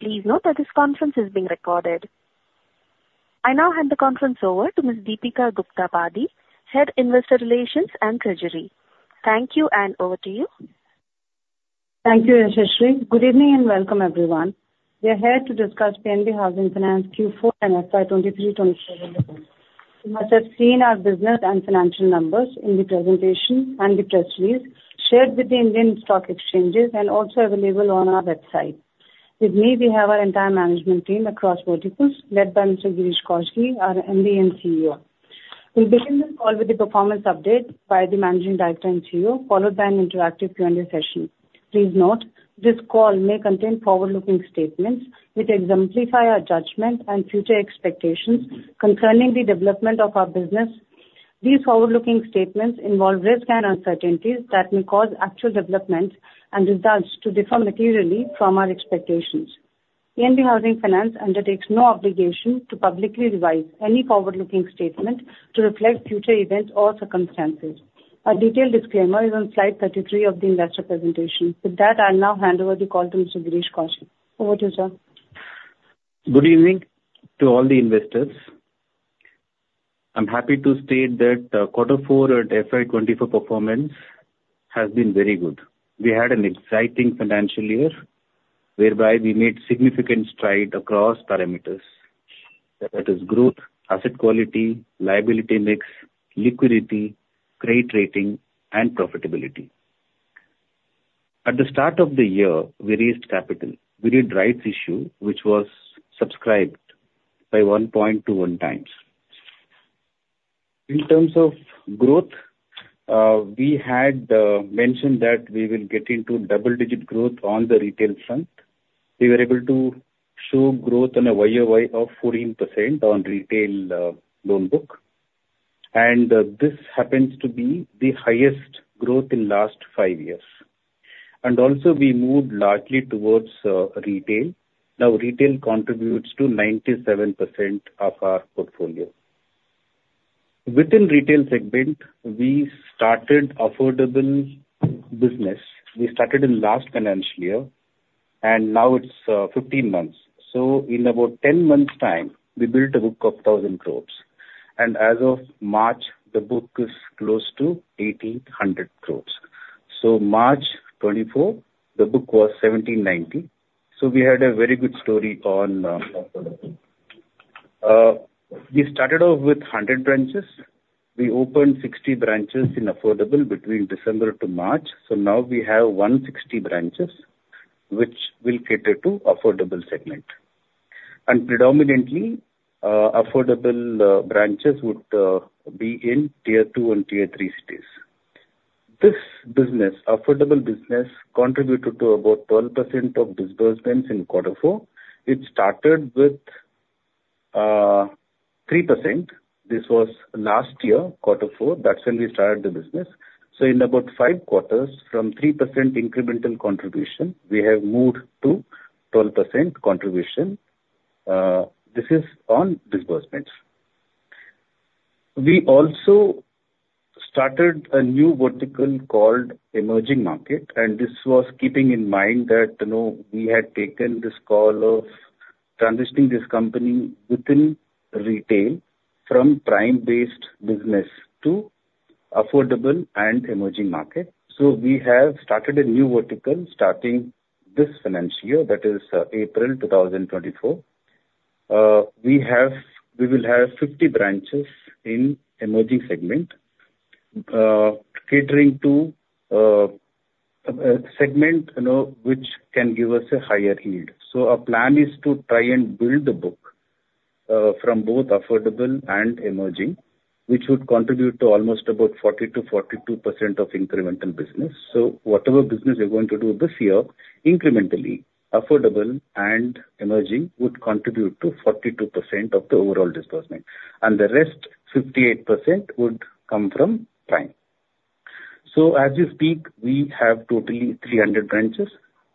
Please note that this conference is being recorded. I now hand the conference over to Ms. Deepika Gupta Padhi, Head Investor Relations and Treasury. Thank you, and over to you. Thank you, Anujai Saxena. Good evening and welcome, everyone. We are here to discuss PNB Housing Finance Q4 and FY 2023-2024. You must have seen our business and financial numbers in the presentation and the press release shared with the Indian stock exchanges and also available on our website. With me, we have our entire management team across verticals, led by Mr. Girish Kousgi, our MD and CEO. We'll begin this call with a performance update by the Managing Director and CEO, followed by an interactive Q&A session. Please note, this call may contain forward-looking statements which exemplify our judgment and future expectations concerning the development of our business. These forward-looking statements involve risks and uncertainties that may cause actual developments and results to differ materially from our expectations. PNB Housing Finance undertakes no obligation to publicly revise any forward-looking statement to reflect future events or circumstances. A detailed disclaimer is on slide 33 of the investor presentation. With that, I'll now hand over the call to Mr. Girish Kousgi. Over to you, sir. Good evening to all the investors. I'm happy to state that quarter four at FY 2024 performance has been very good. We had an exciting financial year whereby we made significant strides across parameters. That is growth, asset quality, liability mix, liquidity, credit rating, and profitability. At the start of the year, we raised capital. We did rights issue, which was subscribed by 1.21 times. In terms of growth, we had mentioned that we will get into double-digit growth on the retail front. We were able to show growth on a YOY of 14% on retail loan book. And this happens to be the highest growth in the last five years. And also, we moved largely towards retail. Now, retail contributes to 97% of our portfolio. Within retail segment, we started affordable business. We started in the last financial year, and now it's 15 months. So in about 10 months' time, we built a book of 1,000 crore. And as of March, the book is close to 1,800 crore. So March 2024, the book was 1,790 crore. So we had a very good story on affordable. We started off with 100 branches. We opened 60 branches in affordable between December to March. So now we have 160 branches, which will cater to affordable segment. And predominantly, affordable branches would be in tier two and tier three cities. This affordable business contributed to about 12% of disbursements in quarter four. It started with 3%. This was last year, quarter four. That's when we started the business. So in about 5 quarters, from 3% incremental contribution, we have moved to 12% contribution. This is on disbursements. We also started a new vertical called emerging market. This was keeping in mind that we had taken this call of transitioning this company within retail from prime-based business to affordable and emerging market. We have started a new vertical starting this financial year. That is April 2024. We will have 50 branches in emerging segment, catering to a segment which can give us a higher yield. Our plan is to try and build the book from both affordable and emerging, which would contribute to almost about 40%-42% of incremental business. Whatever business you're going to do this year, incrementally, affordable and emerging would contribute to 42% of the overall disbursement. And the rest, 58%, would come from prime. As we speak, we have totally 300 branches.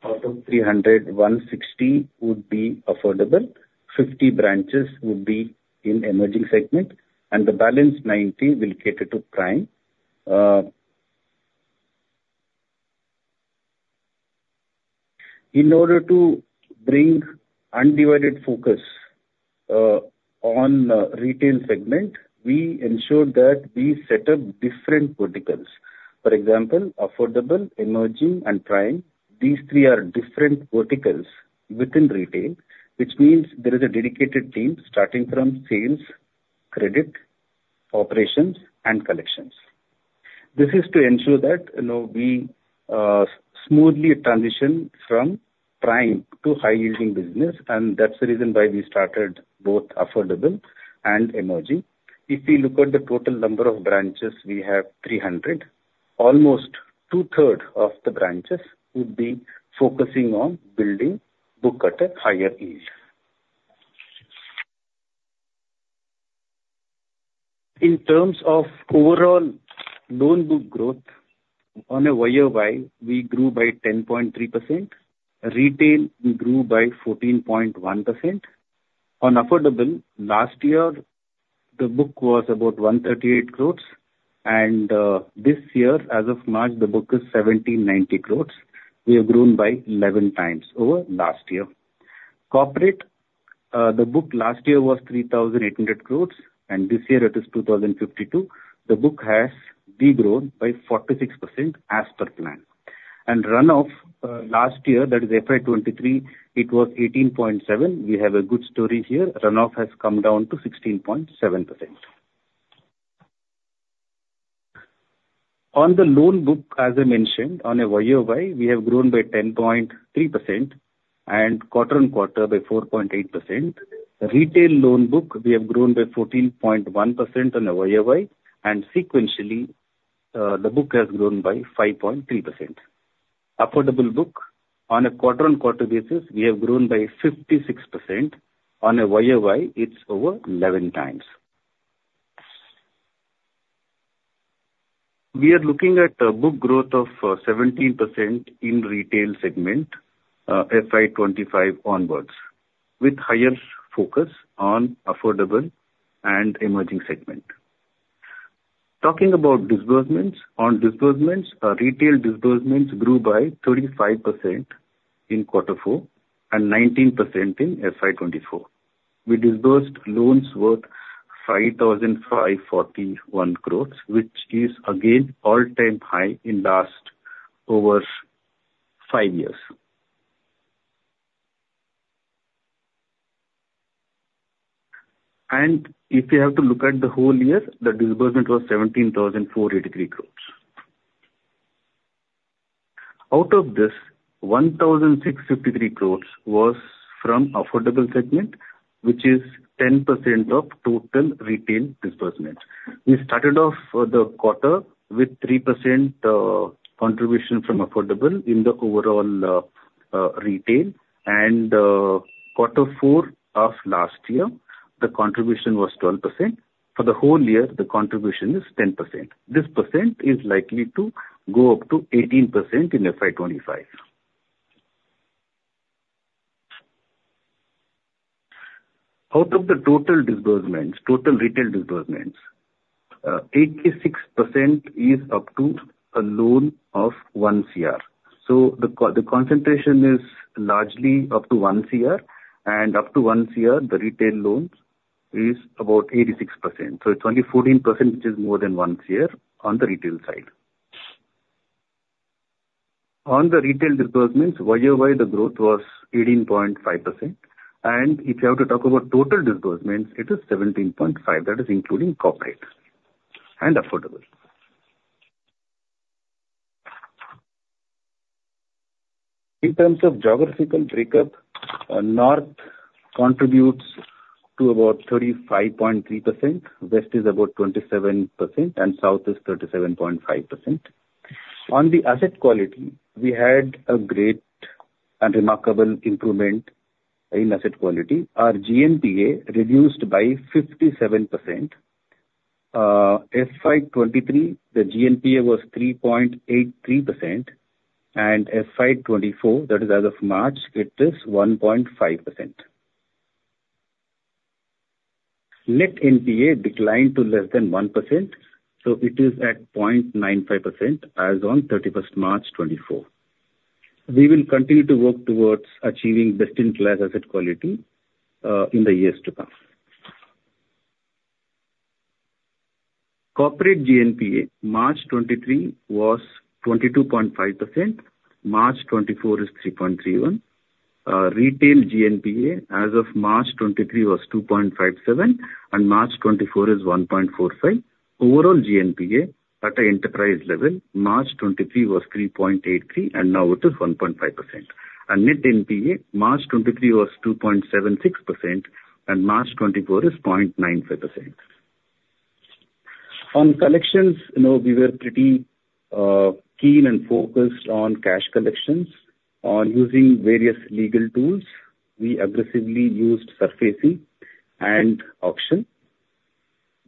Out of 300, 160 would be affordable, 50 branches would be in emerging segment, and the balance 90 will cater to prime. In order to bring undivided focus on retail segment, we ensured that we set up different verticals. For example, affordable, emerging, and prime, these three are different verticals within retail, which means there is a dedicated team starting from sales, credit, operations, and collections. This is to ensure that we smoothly transition from prime to high-yielding business. And that's the reason why we started both affordable and emerging. If we look at the total number of branches, we have 300. Almost two-thirds of the branches would be focusing on building book at a higher yield. In terms of overall loan book growth, on a YOY, we grew by 10.3%. Retail grew by 14.1%. On affordable, last year, the book was about 138 crores. And this year, as of March, the book is 1,790 crores. We have grown by 11 times over last year. Corporate, the book last year was 3,800 crore. This year, it is 2,052 crore. The book has degrown by 46% as per plan. Runoff last year, that is FY 2023, it was 18.7%. We have a good story here. Runoff has come down to 16.7%. On the loan book, as I mentioned, on a YOY, we have grown by 10.3% and quarter-on-quarter by 4.8%. Retail loan book, we have grown by 14.1% on a YOY. Sequentially, the book has grown by 5.3%. Affordable book, on a quarter-on-quarter basis, we have grown by 56%. On a YOY, it's over 11x. We are looking at book growth of 17% in retail segment FY 2025 onwards, with higher focus on affordable and emerging segment. Talking about disbursements, on disbursements, retail disbursements grew by 35% in quarter four and 19% in FY 2024. We disbursed loans worth 5,541 crore, which is, again, all-time high in the last over five years. If you have to look at the whole year, the disbursement was 17,483 crore. Out of this, 1,653 crore was from affordable segment, which is 10% of total retail disbursement. We started off the quarter with 3% contribution from affordable in the overall retail. Quarter four of last year, the contribution was 12%. For the whole year, the contribution is 10%. This percent is likely to go up to 18% in FY 2025. Out of the total retail disbursements, 86% is up to a loan of one CR. So the concentration is largely up to one CR. Up to one CR, the retail loan is about 86%. So it's only 14%, which is more than one CR on the retail side. On the retail disbursements, YOY, the growth was 18.5%. If you have to talk about total disbursements, it is 17.5%. That is including corporate and affordable. In terms of geographical breakup, north contributes to about 35.3%, west is about 27%, and south is 37.5%. On the asset quality, we had a great and remarkable improvement in asset quality. Our GNPA reduced by 57%. FY 2023, the GNPA was 3.83%. And FY 2024, that is as of March, it is 1.5%. Net NPA declined to less than 1%. So it is at 0.95% as on 31st March 2024. We will continue to work towards achieving best-in-class asset quality in the years to come. Corporate GNPA, March 2023 was 22.5%. March 2024 is 3.31%. Retail GNPA, as of March 2023, was 2.57% and March 2024 is 1.45%. Overall GNPA at an enterprise level, March 2023 was 3.83% and now it is 1.5%. Net NPA, March 2023 was 2.76% and March 2024 is 0.95%. On collections, we were pretty keen and focused on cash collections. On using various legal tools, we aggressively used surfacing and auction.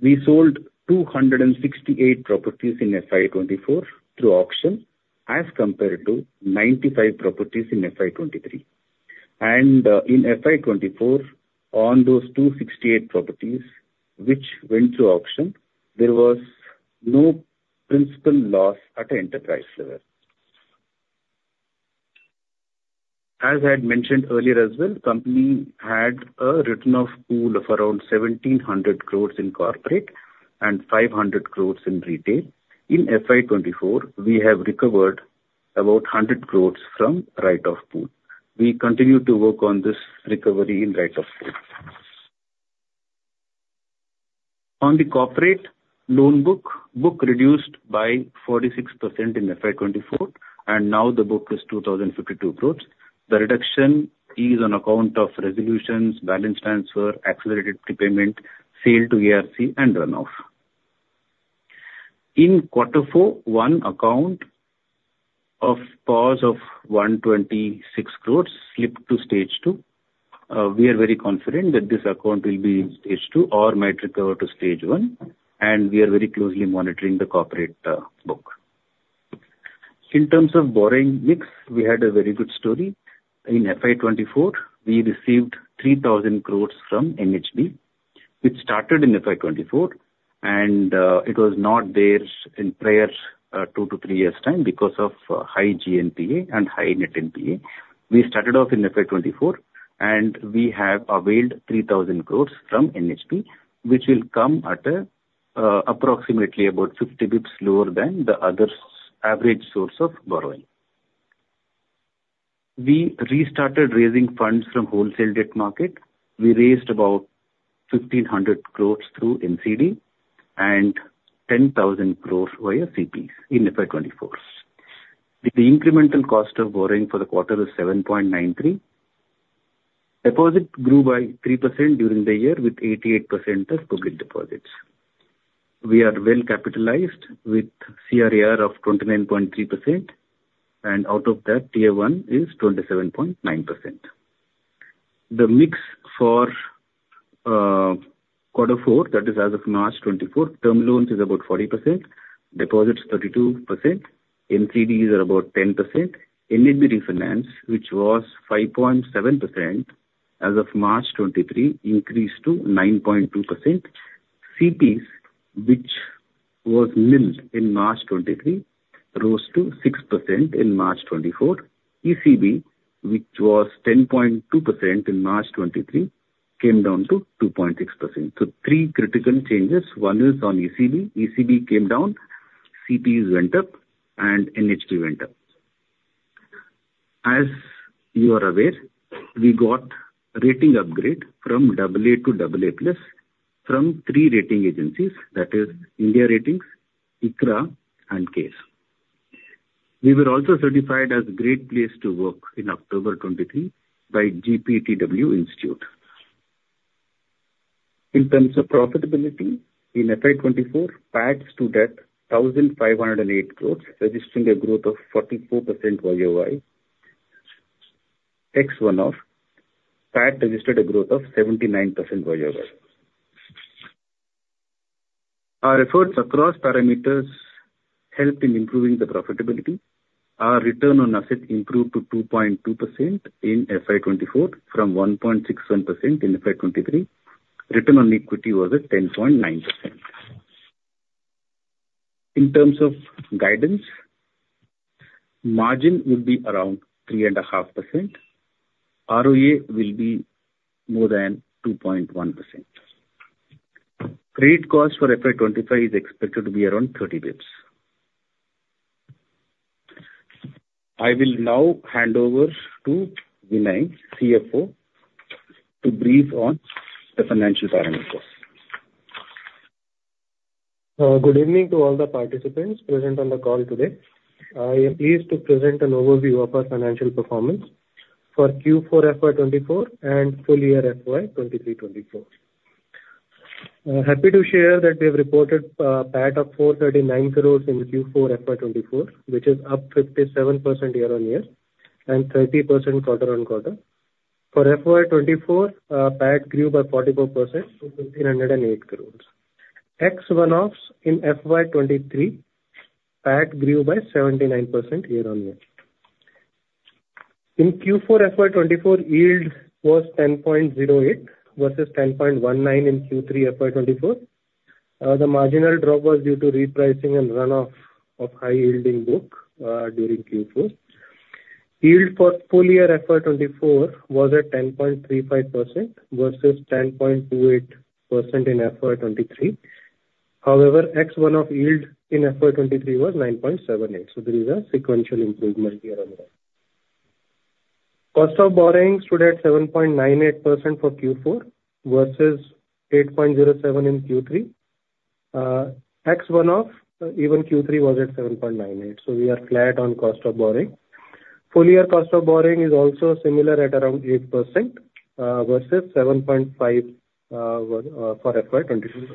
We sold 268 properties in FY 2024 through auction as compared to 95 properties in FY 2023. In FY 2024, on those 268 properties which went through auction, there was no principal loss at an enterprise level. As I had mentioned earlier as well, the company had a written-off pool of around 1,700 crores in corporate and 500 crores in retail. In FY 2024, we have recovered about 100 crores from write-off pool. We continue to work on this recovery in write-off pool. On the corporate loan book, the book reduced by 46% in FY 2024, and now the book is 2,052 crores. The reduction is on account of resolutions, balance transfer, accelerated prepayment, sale to ARC, and runoff. In quarter four, one account of POS of 126 crore slipped to stage two. We are very confident that this account will be in stage two or might recover to stage one. And we are very closely monitoring the corporate book. In terms of borrowing mix, we had a very good story. In FY 2024, we received 3,000 crore from NHB. It started in FY 2024, and it was not there in prior two to three years' time because of high GNPA and high net NPA. We started off in FY 2024, and we have availed 3,000 crore from NHB, which will come at approximately about 50 bps lower than the other average source of borrowing. We restarted raising funds from wholesale debt market. We raised about 1,500 crore through NCD and 10,000 crore via CPs in FY 2024. The incremental cost of borrowing for the quarter is 7.93%. Deposits grew by 3% during the year with 88% as public deposits. We are well capitalized with CRAR of 29.3%. And out of that, Tier One is 27.9%. The mix for quarter four, that is as of March 2024, term loans is about 40%, deposits 32%, NCDs are about 10%, NHB refinance, which was 5.7% as of March 2023, increased to 9.2%, CPs, which was nil in March 2023, rose to 6% in March 2024, ECB, which was 10.2% in March 2023, came down to 2.6%. So three critical changes. One is on ECB. ECB came down. CPs went up. And NHB went up. As you are aware, we got rating upgrade from AA to AA+ from three rating agencies. That is India Ratings, ICRA, and CARE. We were also certified as a great place to work in October 2023 by GPTW Institute. In terms of profitability, in FY 2024, PAT to debt, 1,508 crore, registering a growth of 44% YOY. Q1, PAT registered a growth of 79% YOY. Our efforts across parameters helped in improving the profitability. Our return on assets improved to 2.2% in FY 2024 from 1.61% in FY 2023. Return on equity was at 10.9%. In terms of guidance, margin would be around 3.5%. ROA will be more than 2.1%. Credit cost for FY 2025 is expected to be around 30 basis points. I will now hand over to Vinay, CFO, to brief on the financial parameters. Good evening to all the participants present on the call today. I am pleased to present an overview of our financial performance for Q4 FY 2024 and full year FY 2023/24. Happy to share that we have reported a PAT of 439 crore in Q4 FY 2024, which is up 57% year-over-year and 30% quarter-over-quarter. For FY 2024, PAT grew by 44% to 1,508 crore. Excluding one-offs, in FY 2023, PAT grew by 79% year-over-year. In Q4 FY 2024, yield was 10.08% versus 10.19% in Q3 FY 2024. The marginal drop was due to repricing and runoff of high-yielding book during Q4. Yield for full year FY 2024 was at 10.35% versus 10.28% in FY 2023. However, excluding one-offs, yield in FY 2023 was 9.78%. So there is a sequential improvement year-over-year. Cost of borrowing stood at 7.98% for Q4 versus 8.07% in Q3. Excluding one-offs, even Q3 was at 7.98%. So we are flat on cost of borrowing. Full year cost of borrowing is also similar at around 8% versus 7.5% for FY 2023/24.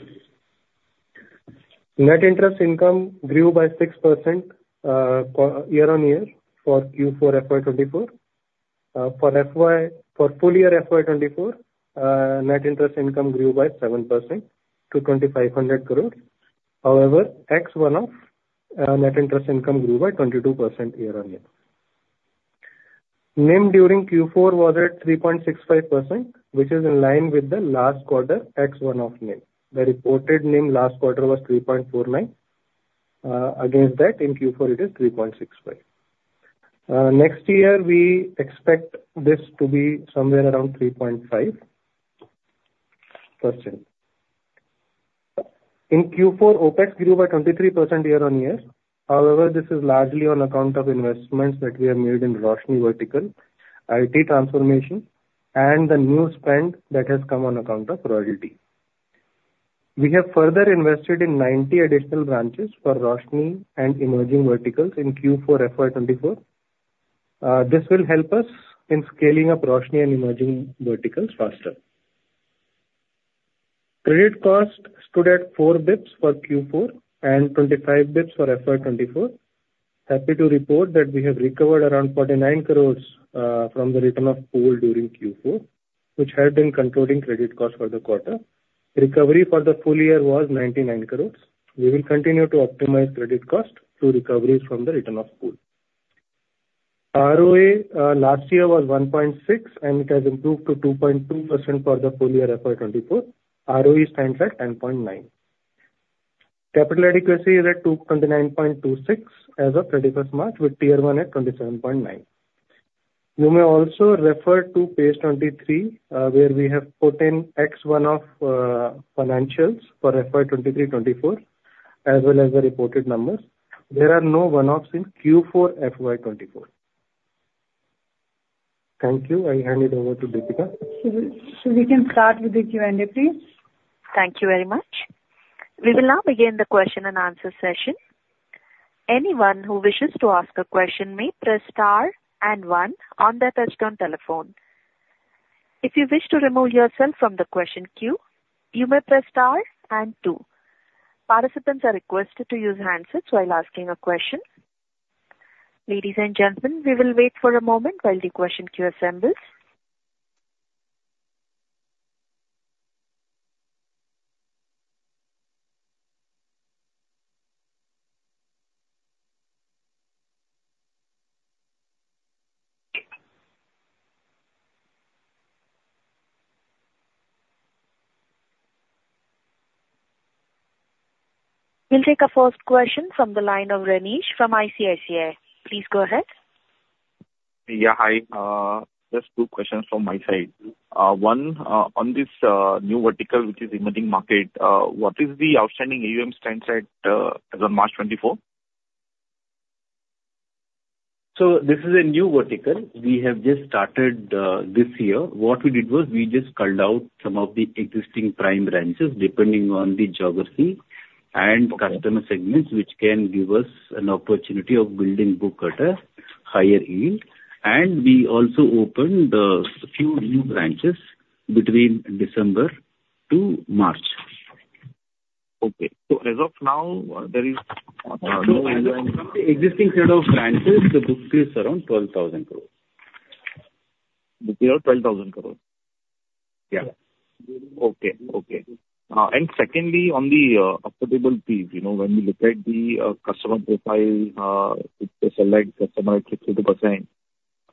Net interest income grew by 6% year-on-year for Q4 FY 2024. For full year FY 2024, net interest income grew by 7% to 2,500 crore. However, ex-off, net interest income grew by 22% year-on-year. NIM during Q4 was at 3.65%, which is in line with the last quarter ex-off NIM. The reported NIM last quarter was 3.49%. Against that, in Q4, it is 3.65%. Next year, we expect this to be somewhere around 3.5%. In Q4, OPEX grew by 23% year-on-year. However, this is largely on account of investments that we have made in Roshni Vertical, IT transformation, and the new spend that has come on account of royalty. We have further invested in 90 additional branches for Roshni and emerging verticals in Q4 FY 2024. This will help us in scaling up Roshni and emerging verticals faster. Credit cost stood at 4 bps for Q4 and 25 bps for FY 2024. Happy to report that we have recovered around 49 crore from the written-off pool during Q4, which had been controlling credit cost for the quarter. Recovery for the full year was 99 crore. We will continue to optimize credit cost through recoveries from the written-off pool. ROA last year was 1.6%, and it has improved to 2.2% for the full year FY 2024. ROE stands at 10.9%. Capital adequacy is at 29.26% as of 31st March, with tier one at 27.9%. You may also refer to page 23, where we have put in Ex-one-off financials for FY 2023/2024 as well as the reported numbers. There are no one-offs in Q4 FY 2024. Thank you. I hand it over to Deepika. So we can start with the Q&A, please. Thank you very much. We will now begin the question and answer session. Anyone who wishes to ask a question may press star and one on the touchtone telephone. If you wish to remove yourself from the question queue, you may press star and two. Participants are requested to use handsets while asking a question. Ladies and gentlemen, we will wait for a moment while the question queue assembles. We'll take a first question from the line of Rajnish from ICICI. Please go ahead. Yeah, hi. Just two questions from my side. One, on this new vertical, which is emerging market, what is the outstanding AUM stands at as of March 2024? So this is a new vertical. We have just started this year. What we did was we just culled out some of the existing prime branches depending on the geography and customer segments, which can give us an opportunity of building book at a higher yield. And we also opened a few new branches between December to March. Okay. So as of now, there is no outstanding? From the existing set of branches, the book is around 12,000 crore. The tune of 12,000 crores? Yeah. Okay. Okay. And secondly, on the affordable fees, when we look at the customer profile, it's a Salaried customer at 62%.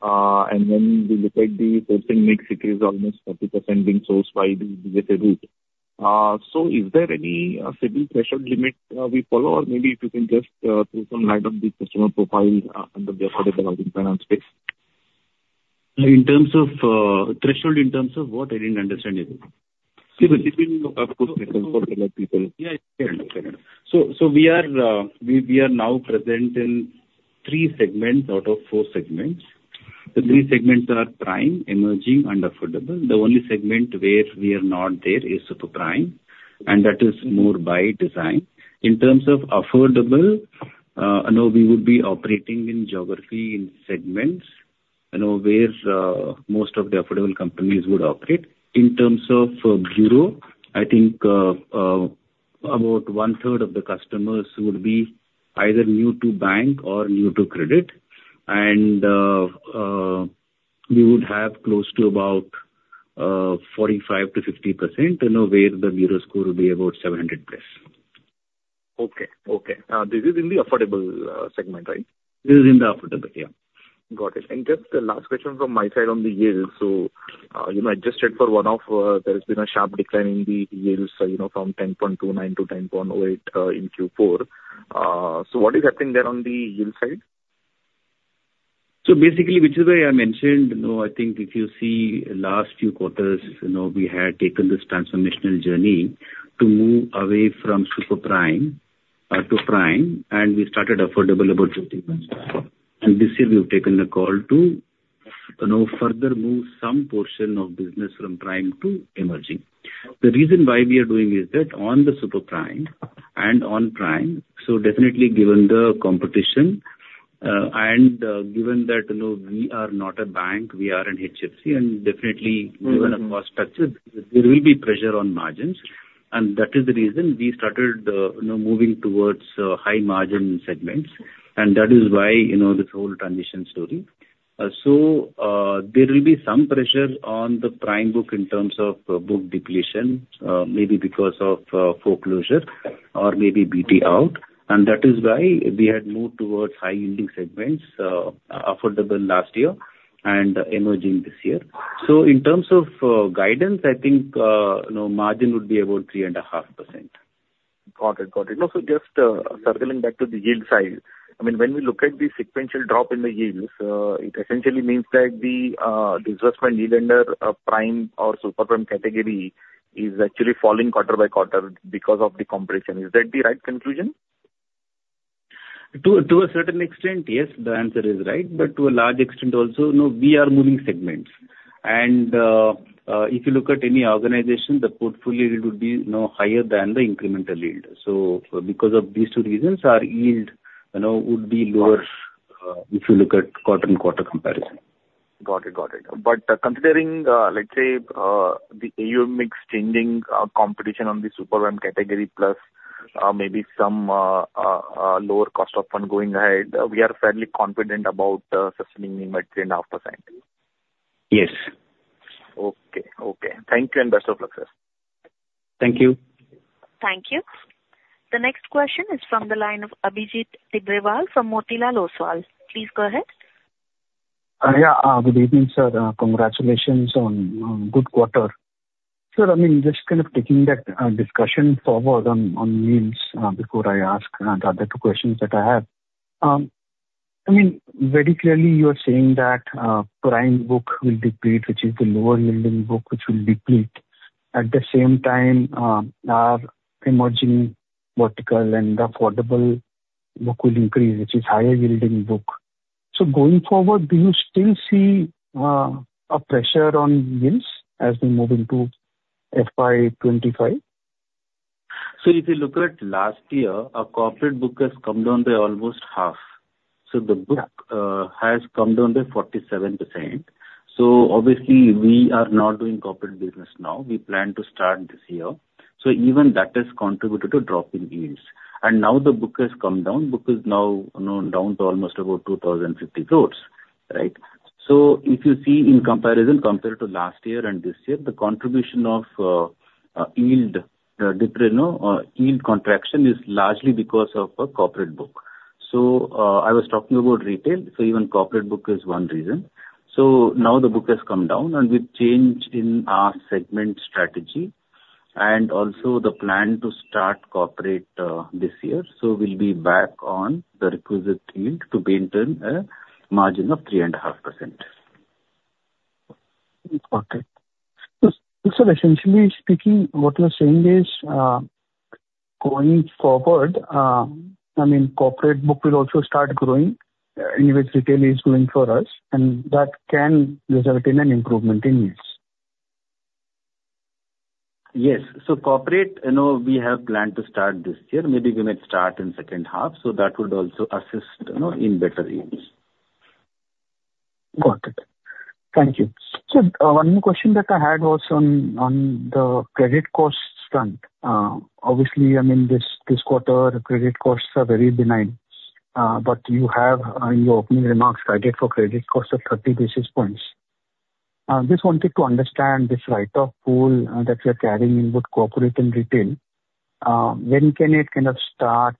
And when we look at the sourcing mix, it is almost 40% being sourced by the DSA route. So is there any CIBIL threshold limit we follow, or maybe if you can just throw some light on the customer profile under the affordable housing finance space? In terms of threshold, in terms of what? I didn't understand you. See, but it's been, of course, for select people. Yeah, yeah, yeah. Fair enough. So we are now present in three segments out of four segments. The three segments are prime, emerging, and affordable. The only segment where we are not there is superprime, and that is more by design. In terms of affordable, we would be operating in geography, in segments where most of the affordable companies would operate. In terms of bureau, I think about one-third of the customers would be either new to bank or new to credit. And we would have close to about 45%-50% where the bureau score would be about 700+. Okay. Okay. This is in the affordable segment, right? This is in the affordable, yeah. Got it. And just the last question from my side on the yield. So I just read for one-off, there has been a sharp decline in the yields from 10.29% to 10.08% in Q4. So what is happening there on the yield side? So basically, which is why I mentioned, I think if you see last few quarters, we had taken this transformational journey to move away from superprime to prime, and we started affordable about 13 months ago. And this year, we've taken a call to further move some portion of business from prime to emerging. The reason why we are doing is that on the superprime and on prime so definitely, given the competition and given that we are not a bank, we are an HFC, and definitely, given the cost structure, there will be pressure on margins. And that is the reason we started moving towards high-margin segments. And that is why this whole transition story. So there will be some pressure on the prime book in terms of book depletion, maybe because of foreclosure or maybe BT out. And that is why we had moved towards high-yielding segments, affordable last year, and emerging this year. So in terms of guidance, I think margin would be about 3.5%. Got it. Got it. So just circling back to the yield side, I mean, when we look at the sequential drop in the yields, it essentially means that the disbursement yield under prime or superprime category is actually falling quarter by quarter because of the competition. Is that the right conclusion? To a certain extent, yes, the answer is right. But to a large extent also, we are moving segments. And if you look at any organization, the portfolio yield would be higher than the incremental yield. So because of these two reasons, our yield would be lower if you look at quarter-on-quarter comparison. Got it. Got it. But considering, let's say, the AUM mix changing, competition on the superprime category plus maybe some lower cost of fund going ahead, we are fairly confident about sustaining the 3.5%. Yes. Okay. Okay. Thank you and best of luck, sir. Thank you. Thank you. The next question is from the line of Abhijit Tibrewal from Motilal Oswal. Please go ahead. Yeah. Good evening, sir. Congratulations on good quarter. Sir, I mean, just kind of taking that discussion forward on yields before I ask the other two questions that I have. I mean, very clearly, you are saying that prime book will deplete, which is the lower-yielding book, which will deplete. At the same time, our emerging vertical and affordable book will increase, which is higher-yielding book. So going forward, do you still see a pressure on yields as we move into FY 2025? If you look at last year, our corporate book has come down by almost half. The book has come down by 47%. Obviously, we are not doing corporate business now. We plan to start this year. Even that has contributed to dropping yields. Now the book has come down. The book is now down to almost about 2,050 crores, right? If you see in comparison compared to last year and this year, the contribution of yield contraction is largely because of corporate book. I was talking about retail. Even corporate book is one reason. Now the book has come down, and we've changed in our segment strategy and also the plan to start corporate this year. So we'll be back on the requisite yield to maintain a margin of 3.5%. Okay. So essentially speaking, what you're saying is going forward, I mean, corporate book will also start growing anyways retail is growing for us, and that can result in an improvement in yields. Yes. So corporate, we have planned to start this year. Maybe we might start in second half. So that would also assist in better yields. Got it. Thank you. So one more question that I had was on the credit cost front. Obviously, I mean, this quarter, credit costs are very benign. But you have in your opening remarks guided for credit costs of 30 basis points. Just wanted to understand this write-off pool that you're carrying in both corporate and retail. When can it kind of start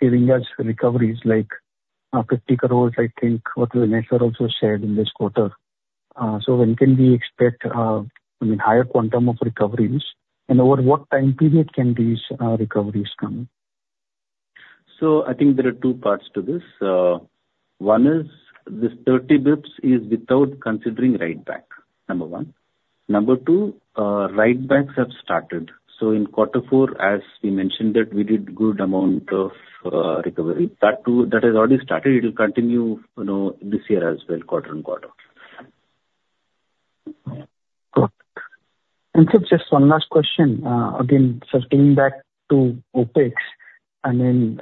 giving us recoveries like 50 crore, I think, what Vinay Sir also said in this quarter? So when can we expect, I mean, higher quantum of recoveries? And over what time period can these recoveries come? So I think there are two parts to this. One is this 30 basis points is without considering write-back, number one. Number two, write-backs have started. So in quarter four, as we mentioned that, we did good amount of recovery. That has already started. It will continue this year as well, quarter-on-quarter. Got it. And so just one last question. Again, circling back to OPEX, I mean,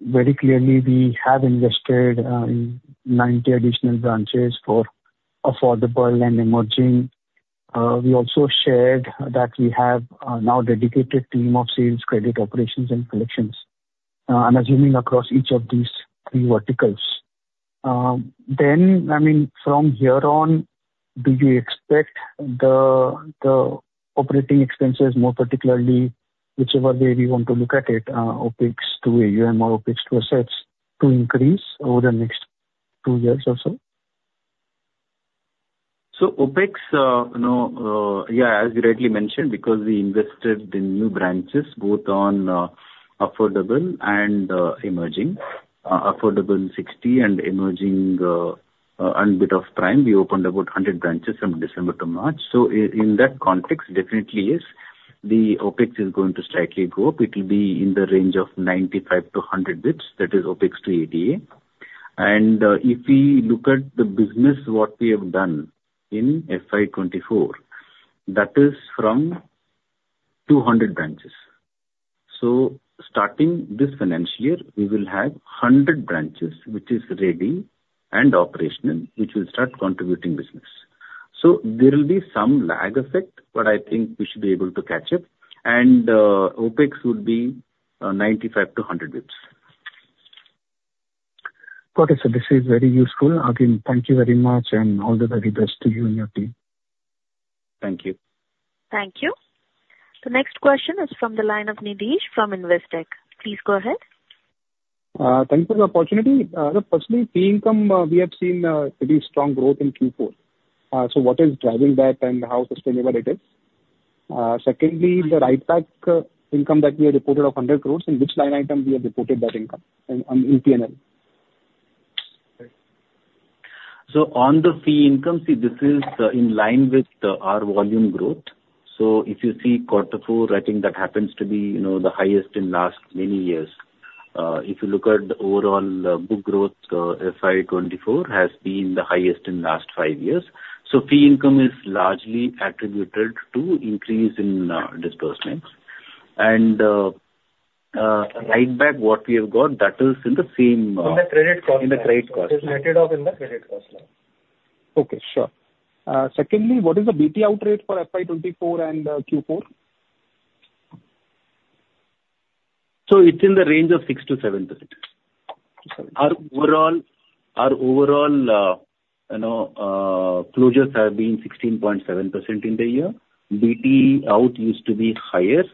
very clearly, we have invested in 90 additional branches for affordable and emerging. We also shared that we have now a dedicated team of sales, credit operations, and collections, I'm assuming, across each of these three verticals. Then, I mean, from here on, do you expect the operating expenses, more particularly, whichever way we want to look at it, OPEX to AUM or OPEX to assets, to increase over the next two years or so? So OPEX, yeah, as you rightly mentioned, because we invested in new branches both on affordable and emerging, affordable 60 and emerging and a bit of prime, we opened about 100 branches from December to March. So in that context, definitely, yes, the OPEX is going to slightly go up. It will be in the range of 95-100 basis points. That is OPEX to ATA. And if we look at the business, what we have done in FY 2024, that is from 200 branches. So starting this financial year, we will have 100 branches, which is ready and operational, which will start contributing business. So there will be some lag effect, but I think we should be able to catch up. And OPEX would be 95-100 bps. Got it, sir. This is very useful. Again, thank you very much, and all the very best to you and your team. Thank you. Thank you. The next question is from the line of Nidhi from Investec. Please go ahead. Thanks for the opportunity. Firstly, Fee income we have seen pretty strong growth in Q4. So what is driving that and how sustainable it is? Secondly, the write-back income that we have reported of 100 crore, in which line item we have reported that income in P&L? So on the Fee income, see, this is in line with our volume growth. So if you see quarter four, I think that happens to be the highest in last many years. If you look at overall book growth, FY 2024 has been the highest in last five years. So Fee income is largely attributed to increase in disbursements. And write-back, what we have got, that is in the same in the credit cost line. In the credit cost line. It's netted off in the credit cost line. Okay. Sure. Secondly, what is the BT out rate for FY 2024 and Q4? So it's in the range of 6%-7%. Our overall closures have been 16.7% in the year. BT out used to be higher.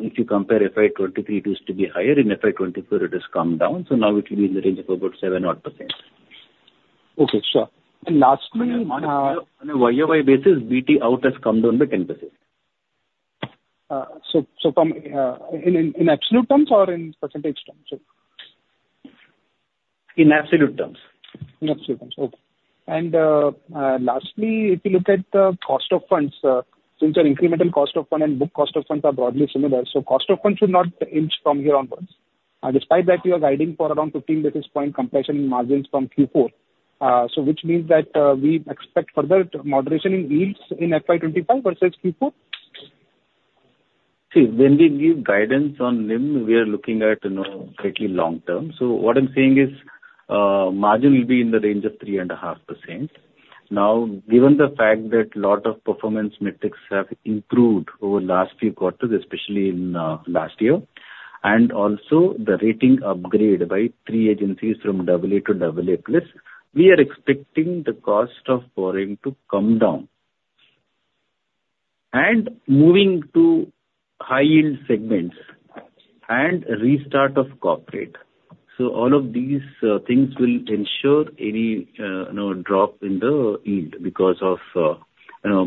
If you compare, FY 2023 used to be higher. In FY 2024, it has come down. So now it will be in the range of about 7% or 8%. Okay. Sure. And lastly, On a YOY basis, BT out has come down by 10%. So in absolute terms or in percentage terms? In absolute terms. In absolute terms. Okay. And lastly, if you look at the cost of funds, since our incremental cost of fund and book cost of funds are broadly similar, so cost of fund should not inch from here onwards. Despite that, you are guiding for around 15 basis point compression in margins from Q4, so which means that we expect further moderation in yields in FY 2025 versus Q4? See, when we give guidance on NIM, we are looking at fairly long term. So what I'm saying is margin will be in the range of 3.5%. Now, given the fact that a lot of performance metrics have improved over last few quarters, especially in last year, and also the rating upgrade by three agencies from AA to AA+, we are expecting the cost of borrowing to come down. Moving to high-yield segments and restart of corporate, so all of these things will ensure any drop in the yield because of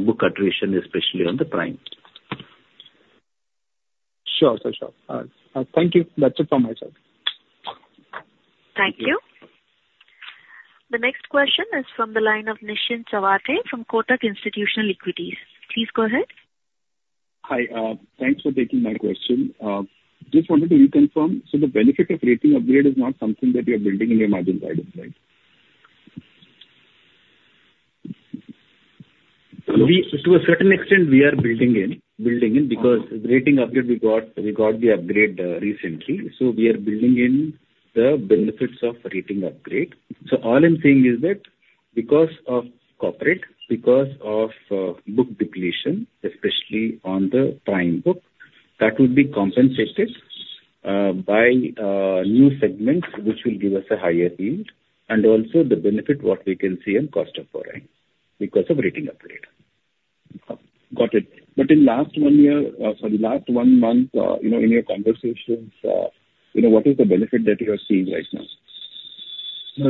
book attrition, especially on the prime. Sure, sir. Sure. Thank you. That's it from my side. Thank you. The next question is from the line of Nischint Chawathe from Kotak Institutional Equities. Please go ahead. Hi. Thanks for taking my question. Just wanted to reconfirm. So the benefit of rating upgrade is not something that you are building in your margin guidance, right? To a certain extent, we are building in because rating upgrade, we got the upgrade recently. So we are building in the benefits of rating upgrade. So all I'm saying is that because of corporate, because of book depletion, especially on the prime book, that would be compensated by new segments, which will give us a higher yield, and also the benefit what we can see in cost of borrowing because of rating upgrade. Got it. But in last one year—sorry, last one month—in your conversations, what is the benefit that you are seeing right now?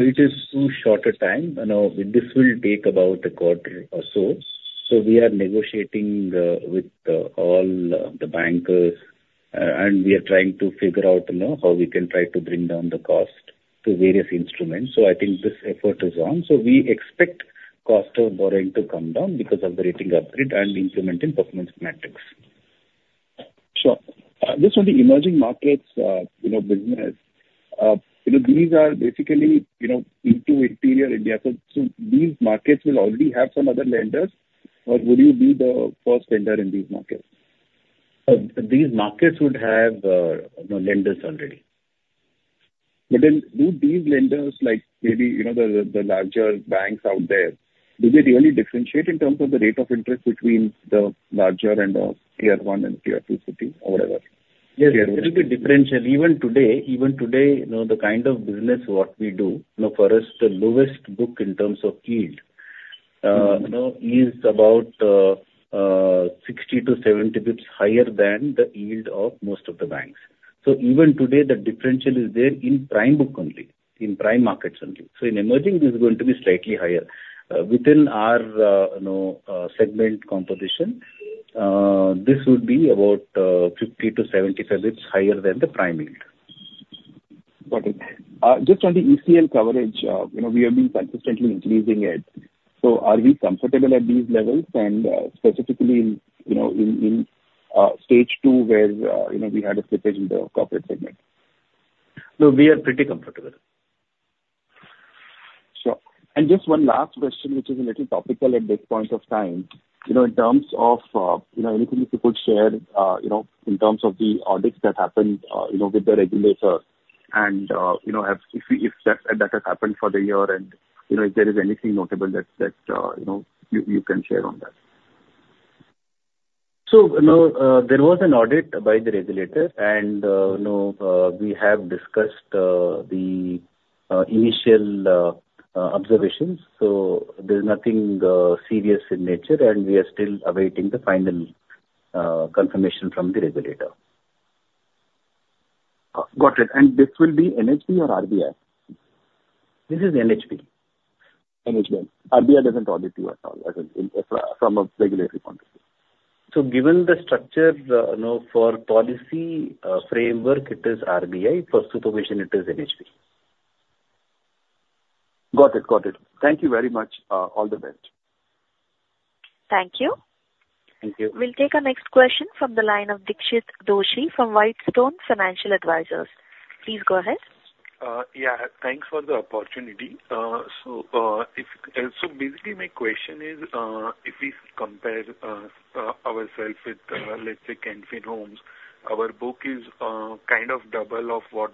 It is too short a time. This will take about a quarter or so. So we are negotiating with all the bankers, and we are trying to figure out how we can try to bring down the cost to various instruments. So I think this effort is on. So we expect cost of borrowing to come down because of the rating upgrade and implementing performance metrics. Sure. Just on the emerging markets business, these are basically into interior India. So these markets will already have some other lenders, or would you be the first lender in these markets? These markets would have lenders already. But then do these lenders, maybe the larger banks out there, do they really differentiate in terms of the rate of interest between the larger and the tier one and tier two city or whatever? Yes. It will be differential. Even today, the kind of business what we do, for us, the lowest book in terms of yield is about 60-70 bps higher than the yield of most of the banks. So even today, the differential is there in prime book only, in prime markets only. So in emerging, this is going to be slightly higher. Within our segment composition, this would be about 50-75 basis points higher than the prime yield. Got it. Just on the ECL coverage, we are being consistently increasing it. So are we comfortable at these levels, and specifically in stage two where we had a slippage in the corporate segment? No, we are pretty comfortable. Sure. And just one last question, which is a little topical at this point of time. In terms of anything that you could share in terms of the audits that happened with the regulator, and if that has happened for the year, and if there is anything notable that you can share on that. So there was an audit by the regulator, and we have discussed the initial observations. So there's nothing serious in nature, and we are still awaiting the final confirmation from the regulator. Got it. This will be NHB or RBI? This is NHB. NHB. RBI doesn't audit you at all from a regulatory point of view. Given the structure for policy framework, it is RBI. For supervision, it is NHB. Got it. Got it. Thank you very much. All the best. Thank you. Thank you. We'll take our next question from the line of Dixit Doshi from Whitestone Financial Advisors. Please go ahead. Yeah. Thanks for the opportunity. So basically, my question is, if we compare ourselves with, let's say, Can Fin Homes, our book is kind of double of what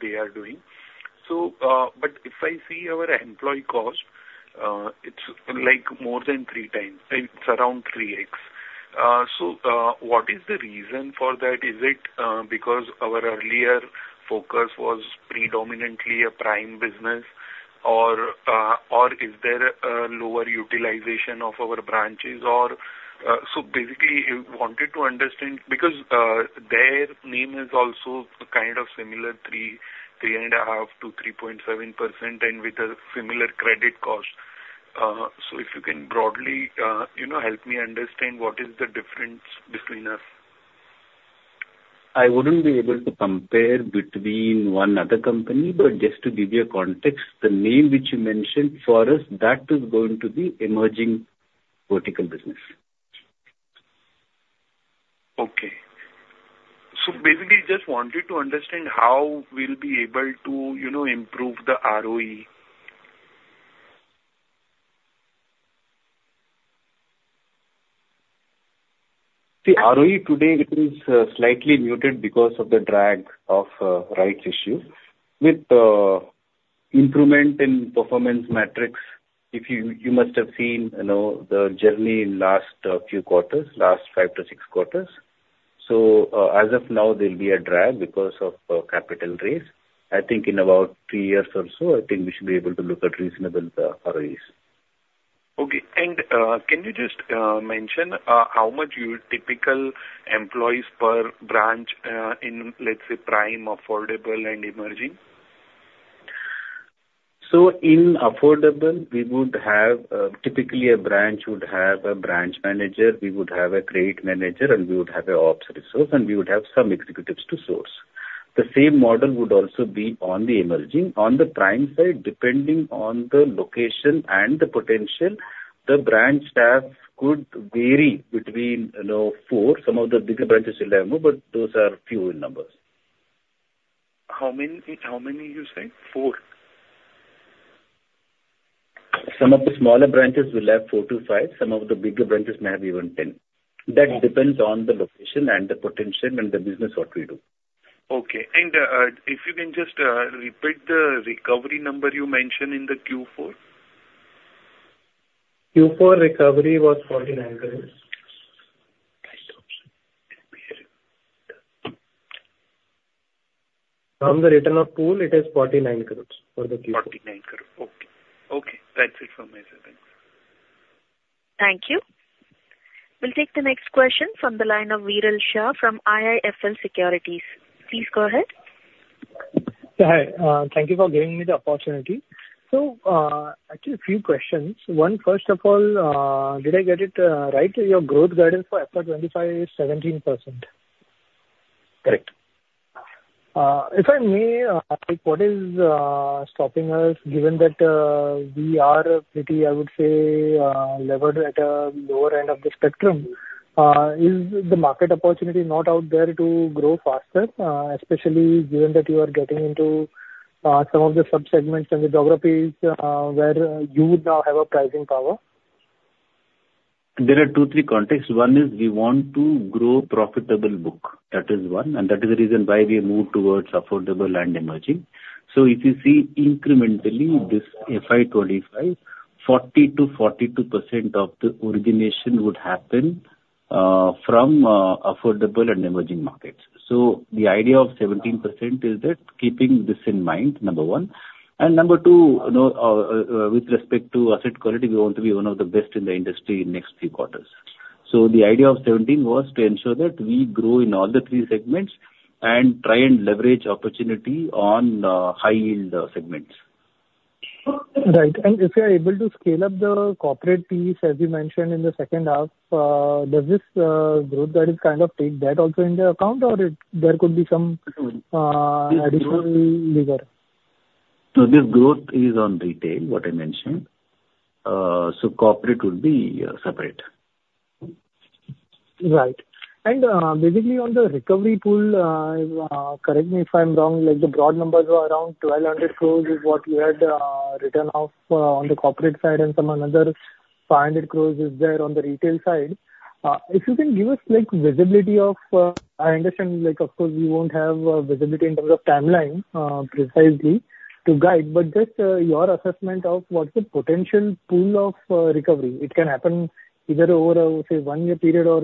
they are doing. But if I see our employee cost, it's more than three times. It's around 3X. So what is the reason for that? Is it because our earlier focus was predominantly a prime business, or is there a lower utilization of our branches? So basically, I wanted to understand because their NIM is also kind of similar, 3.5%-3.7%, and with a similar credit cost. So if you can broadly help me understand what is the difference between us? I wouldn't be able to compare between one other company, but just to give you a context, the NIM which you mentioned, for us, that is going to be emerging vertical business. .Okay. So basically, just wanted to understand how we'll be able to improve the ROE. See, ROE today, it is slightly muted because of the drag of rights issues. With improvement in performance metrics, you must have seen the journey in last few quarters, last five to six quarters. So as of now, there'll be a drag because of capital raise. I think in about three years or so, I think we should be able to look at reasonable ROEs. Okay. And can you just mention how many typical employees per branch in, let's say, prime, affordable, and emerging? .So in affordable, typically, a branch would have a branch manager. We would have a credit manager, and we would have an ops resource, and we would have some executives to source. The same model would also be on the emerging. On the prime side, depending on the location and the potential, the branch staff could vary between 4. Some of the bigger branches will have more, but those are few in numbers. How many you say? 4. Some of the smaller branches will have 4-5. Some of the bigger branches may have even 10. That depends on the location and the potential and the business what we do. Okay. And if you can just repeat the recovery number you mentioned in the Q4. Q4 recovery was INR 49 crores. From the return of pool, it is 49 crores for the Q4. 49 crores. Okay. Okay. That's it from my side. Thanks. Thank you. We'll take the next question from the line of Viral Shah from IIFL Securities. Please go ahead. Hi. Thank you for giving me the opportunity. So actually, a few questions. One, first of all, did I get it right? Your growth guidance for FY 2025 is 17%. Correct. If I may, what is stopping us, given that we are pretty, I would say, levered at a lower end of the spectrum? Is the market opportunity not out there to grow faster, especially given that you are getting into some of the subsegments and the geographies where you would now have a pricing power? There are two, three contexts. One is we want to grow profitable book. That is one. That is the reason why we moved towards affordable and emerging. So if you see incrementally, this FY 2025, 40%-42% of the origination would happen from affordable and emerging markets. So the idea of 17% is keeping this in mind, number one. And number two, with respect to asset quality, we want to be one of the best in the industry in next few quarters. So the idea of 17% was to ensure that we grow in all the three segments and try and leverage opportunity on high-yield segments. Right. And if you are able to scale up the corporate piece, as you mentioned in the second half, does this growth guidance kind of take that also into account, or there could be some additional lever? So this growth is on retail, what I mentioned. So corporate would be separate. Right. And basically, on the recovery pool, correct me if I'm wrong, the broad numbers were around 1,200 crore is what you had return of on the corporate side, and some another 500 crore is there on the retail side. If you can give us visibility of I understand, of course, we won't have visibility in terms of timeline precisely to guide, but just your assessment of what's the potential pool of recovery? It can happen either over, say, 1-year period or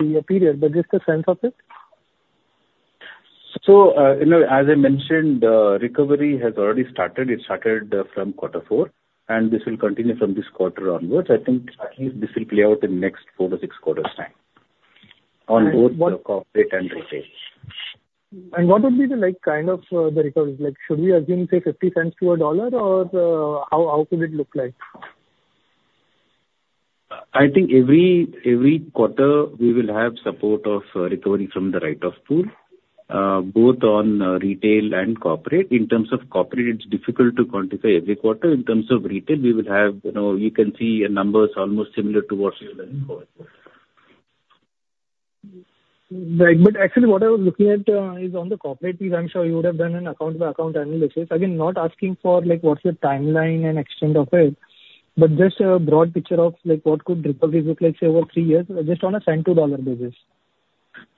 3-year period, but just a sense of it. So as I mentioned, recovery has already started. It started from quarter four, and this will continue from this quarter onwards. I think at least this will play out in next 4-6 quarters' time on both the corporate and retail. And what would be the kind of the recovery? Should we assume, say, 50 cents to a dollar, or how could it look like? I think every quarter, we will have support of recovery from the write-off pool, both on retail and corporate. In terms of corporate, it's difficult to quantify every quarter. In terms of retail, we will have you can see numbers almost similar to what you're looking for. Right. But actually, what I was looking at is on the corporate piece, I'm sure you would have done an account-by-account analysis. Again, not asking for what's the timeline and extent of it, but just a broad picture of what could recovery look like over three years, just on a cent-to-dollar basis.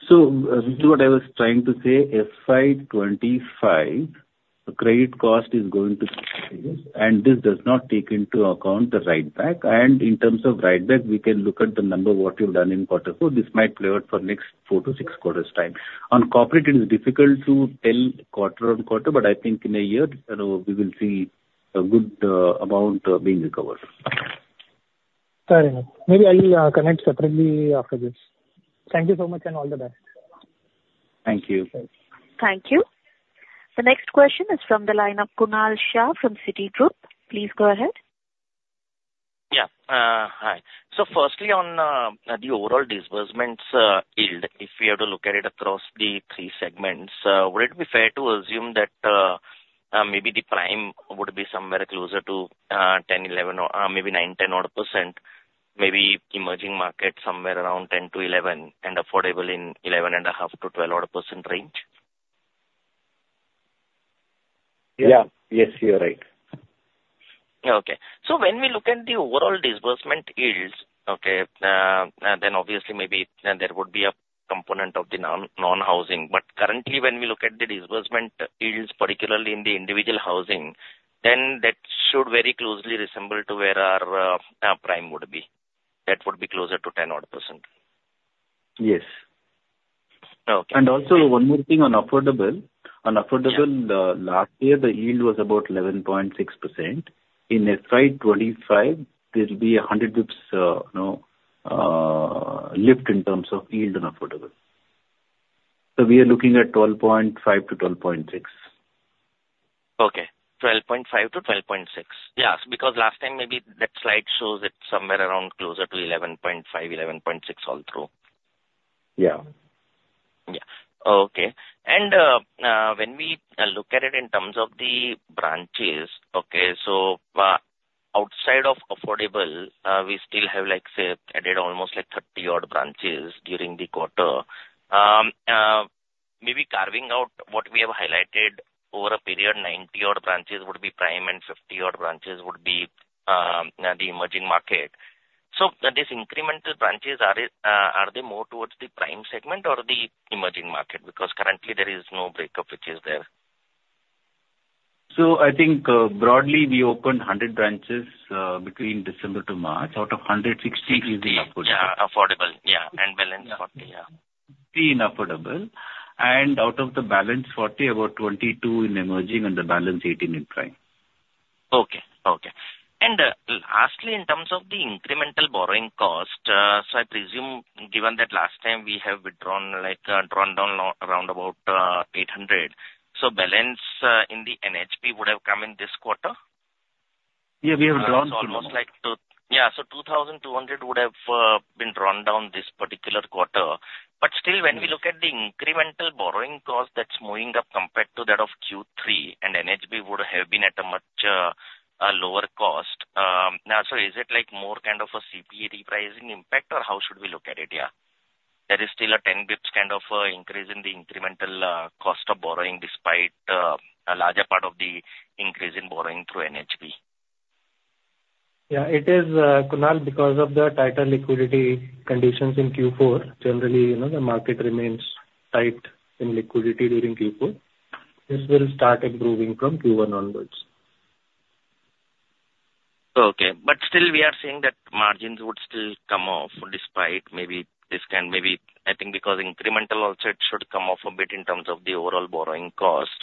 So what I was trying to say, FY 2025, the credit cost is going to and this does not take into account the write-back. In terms of write-back, we can look at the number what you've done in quarter four. This might play out for next 4-6 quarters' time. On corporate, it is difficult to tell quarter-on-quarter, but I think in a year, we will see a good amount being recovered. Fair enough. Maybe I'll connect separately after this. Thank you so much, and all the best. Thank you. Thank you. The next question is from the line of Kunal Shah from Citi Group. Please go ahead. Yeah. Hi. So firstly, on the overall disbursements yield, if we have to look at it across the three segments, would it be fair to assume that maybe the prime would be somewhere closer to 10-11%, maybe 9-10 odd%, maybe emerging market somewhere around 10%-11%, and affordable in 11.5-12 odd% range? Yeah. Yes, you're right. Okay. So when we look at the overall disbursement yields, okay, then obviously, maybe there would be a component of the non-housing. But currently, when we look at the disbursement yields, particularly in the individual housing, then that should very closely resemble to where our prime would be. That would be closer to 10-odd%. Yes. Okay. And also, one more thing on affordable. On affordable, last year, the yield was about 11.6%. In FY 2025, there'll be a 100 basis points lift in terms of yield on affordable. So we are looking at 12.5%-12.6%. Okay. 12.5%-12.6%. Yes. Because last time, maybe that slide shows it somewhere around closer to 11.5%, 11.6% all through. Yeah. Yeah. Okay. And when we look at it in terms of the branches, okay, so outside of affordable, we still have, say, added almost 30-odd branches during the quarter. Maybe carving out what we have highlighted over a period, 90-odd branches would be prime, and 50-odd branches would be the emerging market. So these incremental branches, are they more towards the prime segment or the emerging market? Because currently, there is no breakup which is there. So I think broadly, we opened 100 branches between December to March. Out of 100, 60 is in affordable. Yeah. Affordable. Yeah. And balance 40. Yeah. 60 in affordable. And out of the balance 40, about 22 in emerging, and the balance 18 in prime. Okay. Okay. Lastly, in terms of the incremental borrowing cost, so I presume, given that last time, we have drawn down around 800, so balance in the NHB would have come in this quarter? Yeah. We have drawn through. So almost like yeah. So 2,200 would have been drawn down this particular quarter. But still, when we look at the incremental borrowing cost that's moving up compared to that of Q3, and NHB would have been at a much lower cost. So is it more kind of a CP repricing impact, or how should we look at it? Yeah. There is still a 10 bps kind of increase in the incremental cost of borrowing despite a larger part of the increase in borrowing through NHB. Yeah. It is, Kunal, because of the tighter liquidity conditions in Q4. Generally, the market remains tight in liquidity during Q4. This will start improving from Q1 onwards. Okay. But still, we are seeing that margins would still come off despite maybe this kind maybe I think because incremental also, it should come off a bit in terms of the overall borrowing cost.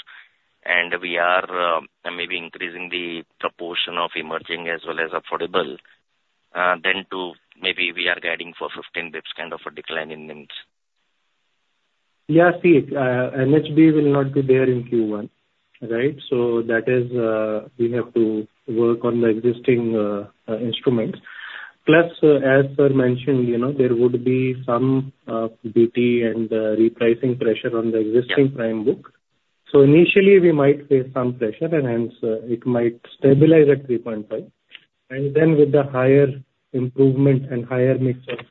And we are maybe increasing the proportion of emerging as well as affordable. Then maybe we are guiding for 15 bps kind of a decline in NIMs. Yeah. See, NHB will not be there in Q1, right? So we have to work on the existing instruments. Plus, as Sir mentioned, there would be some duty and repricing pressure on the existing prime book. So initially, we might face some pressure, and hence, it might stabilize at 3.5. And then with the higher improvement and higher mix of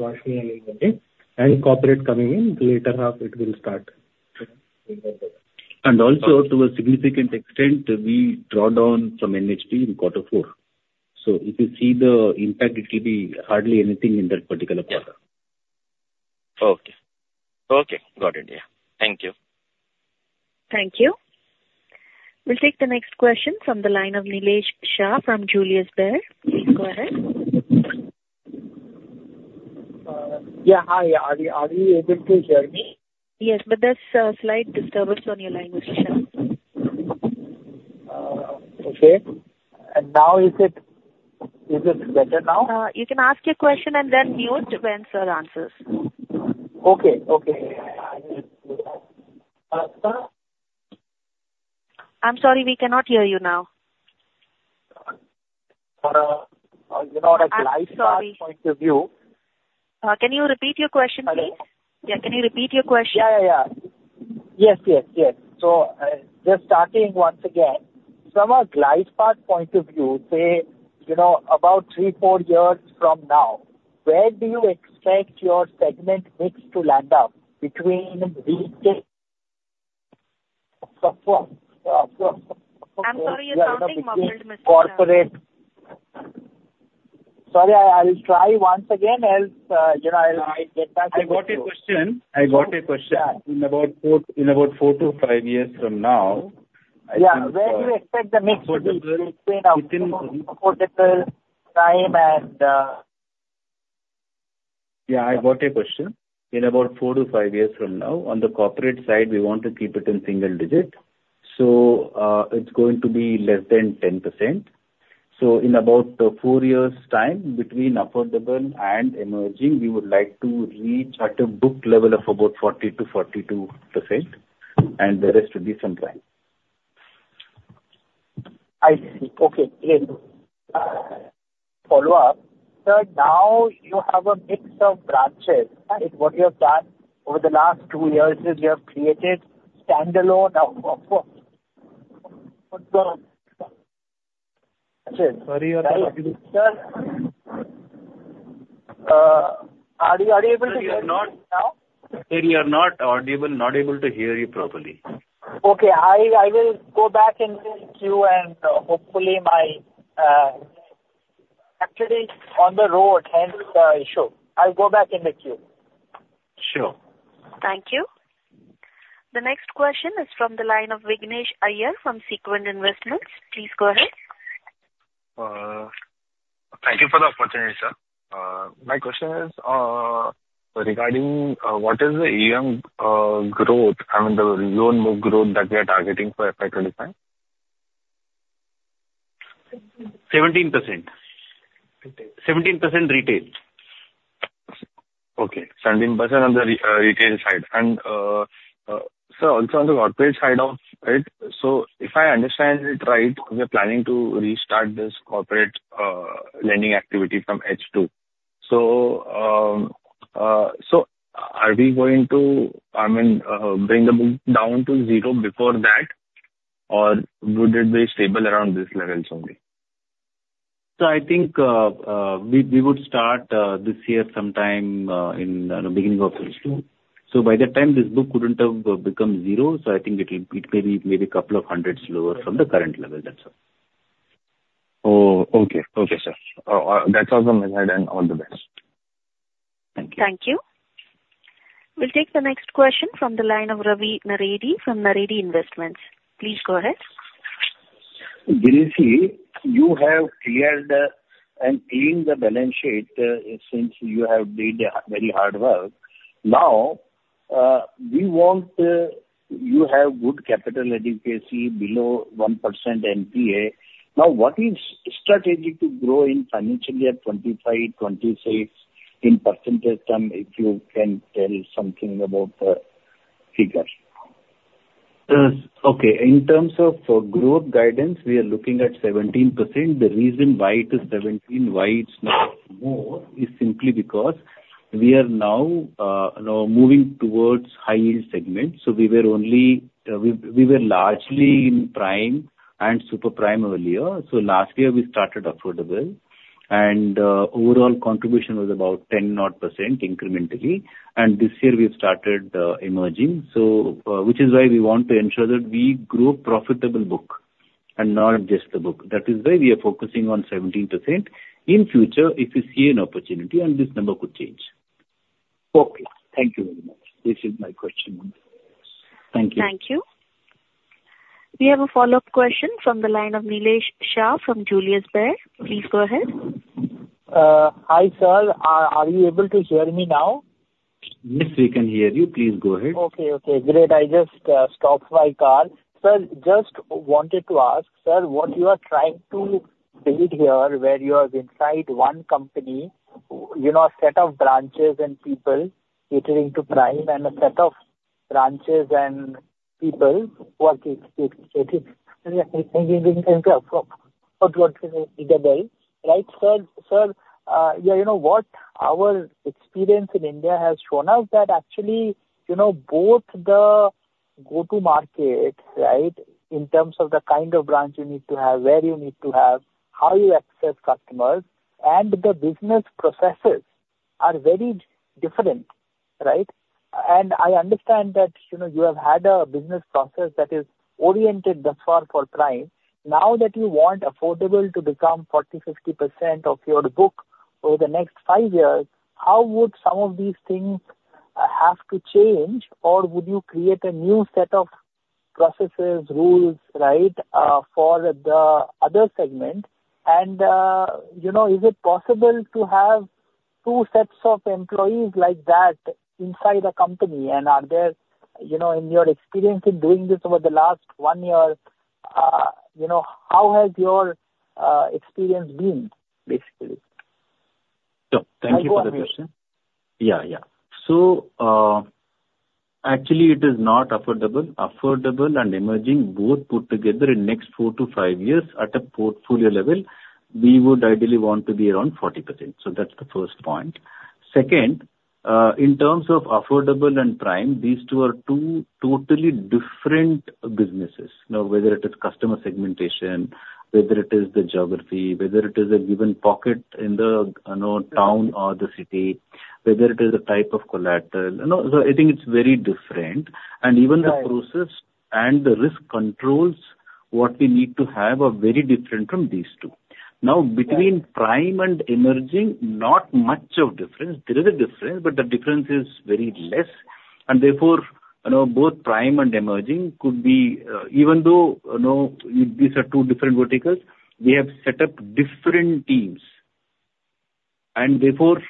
Roshni and emerging and corporate coming in, later half, it will start. And also, to a significant extent, we draw down from NHB in quarter four. So if you see the impact, it'll be hardly anything in that particular quarter. Okay. Okay. Got it. Yeah. Thank you. Thank you. We'll take the next question from the line of Nilesh Shah from Julius Baer. Please go ahead. Yeah. Hi. Are you able to hear me? Yes. But there's slight disturbance on your line, Mr. Shah. Okay. And now, is it better now? You can ask your question and then mute when Sir answers. Okay. Okay. I'm sorry. We cannot hear you now. From a glide path point of view. Can you repeat your question, please? Yeah. Can you repeat your question? Yeah. Yeah. Yeah. Yes. Yes. Yes. So just starting once again, from a glide path point of view, say, about 3, 4 years from now, where do you expect your segment mix to land up between retail? I'm sorry. You sounded muffled, Mr. Shah. Corporate. Sorry. I'll try once again. I'll get back to you. I got your question. I got your question. In about 4 to 5 years from now, I think. Yeah. Where do you expect the mix to be between affordable, prime, and? Yeah. I got your question. In about 4 to 5 years from now, on the corporate side, we want to keep it in single digit. So it's going to be less than 10%. So in about 4 years' time, between affordable and emerging, we would like to reach at a book level of about 40%-42%, and the rest would be some prime. I see. Okay. Great. Follow-up. So now, you have a mix of branches, right? What you have done over the last 2 years is you have created standalone branches. Sorry. Are you able to hear me now? You are not audible, not able to hear you properly. Okay. I will go back in this queue, and hopefully, my actually, on the road, hence the issue. I'll go back in the queue. Sure. Thank you. The next question is from the line of Vignesh Iyer from Sequent Investments. Please go ahead. Thank you for the opportunity, Sir. My question is regarding what is the EOM growth, I mean, the loan book growth that we are targeting for FY 2025? 17%. 17% retail. Okay. 17% on the retail side. Sir, also on the corporate side of it, so if I understand it right, we are planning to restart this corporate lending activity from H2. So are we going to, I mean, bring the book down to zero before that, or would it be stable around these levels only? So I think we would start this year sometime in the beginning of H2. So by that time, this book wouldn't have become zero. So I think it may be maybe a couple of hundreds lower from the current level, that's all. Oh. Okay. Okay, Sir. That's awesome, Mr. Kousgi. All the best. Thank you. Thank you. We'll take the next question from the line of Ravi Naredi from Naredi Investments. Please go ahead. Girish, you have cleared and cleaned the balance sheet since you have done very hard work. Now, we want you to have good capital allocation below 1% NPA. Now, what is the strategy to grow in financial year 2025, 2026 in percentage terms if you can tell something about the figure? Okay. In terms of growth guidance, we are looking at 17%. The reason why to 17%, why it's not more, is simply because we are now moving towards high-yield segments. So we were largely in prime and super prime earlier. So last year, we started affordable, and overall contribution was about 10 odd percent incrementally. And this year, we've started emerging, which is why we want to ensure that we grow profitable book and not just the book. That is why we are focusing on 17% in future if we see an opportunity, and this number could change. Okay. Thank you very much. This is my question. Thank you. Thank you. We have a follow-up question from the line of Nilesh Shah from Julius Baer. Please go ahead. Hi, Sir. Are you able to hear me now? Yes, we can hear you. Please go ahead. Okay. Okay. Great. I just stopped my car. Sir, just wanted to ask, Sir, what you are trying to build here where you have inside one company, a set of branches and people catering to prime, and a set of branches and people working right? Sir, yeah, what our experience in India has shown us, that actually, both the go-to-market, right, in terms of the kind of branch you need to have, where you need to have, how you access customers, and the business processes are very different, right? I understand that you have had a business process that is oriented thus far for prime. Now that you want affordable to become 40%-50% of your book over the next 5 years, how would some of these things have to change, or would you create a new set of processes, rules, right, for the other segment? And is it possible to have two sets of employees like that inside a company? And are there, in your experience in doing this over the last 1 year, how has your experience been, basically? Sure. Thank you for the question. Yeah. Yeah. So actually, it is not affordable. Affordable and emerging, both put together in next 4-5 years at a portfolio level, we would ideally want to be around 40%. So that's the first point. Second, in terms of affordable and prime, these two are two totally different businesses, whether it is customer segmentation, whether it is the geography, whether it is a given pocket in the town or the city, whether it is a type of collateral. So I think it's very different. And even the process and the risk controls, what we need to have are very different from these two. Now, between prime and emerging, not much of difference. There is a difference, but the difference is very less. And therefore, both prime and emerging could be even though these are two different verticals, we have set up different teams. And therefore,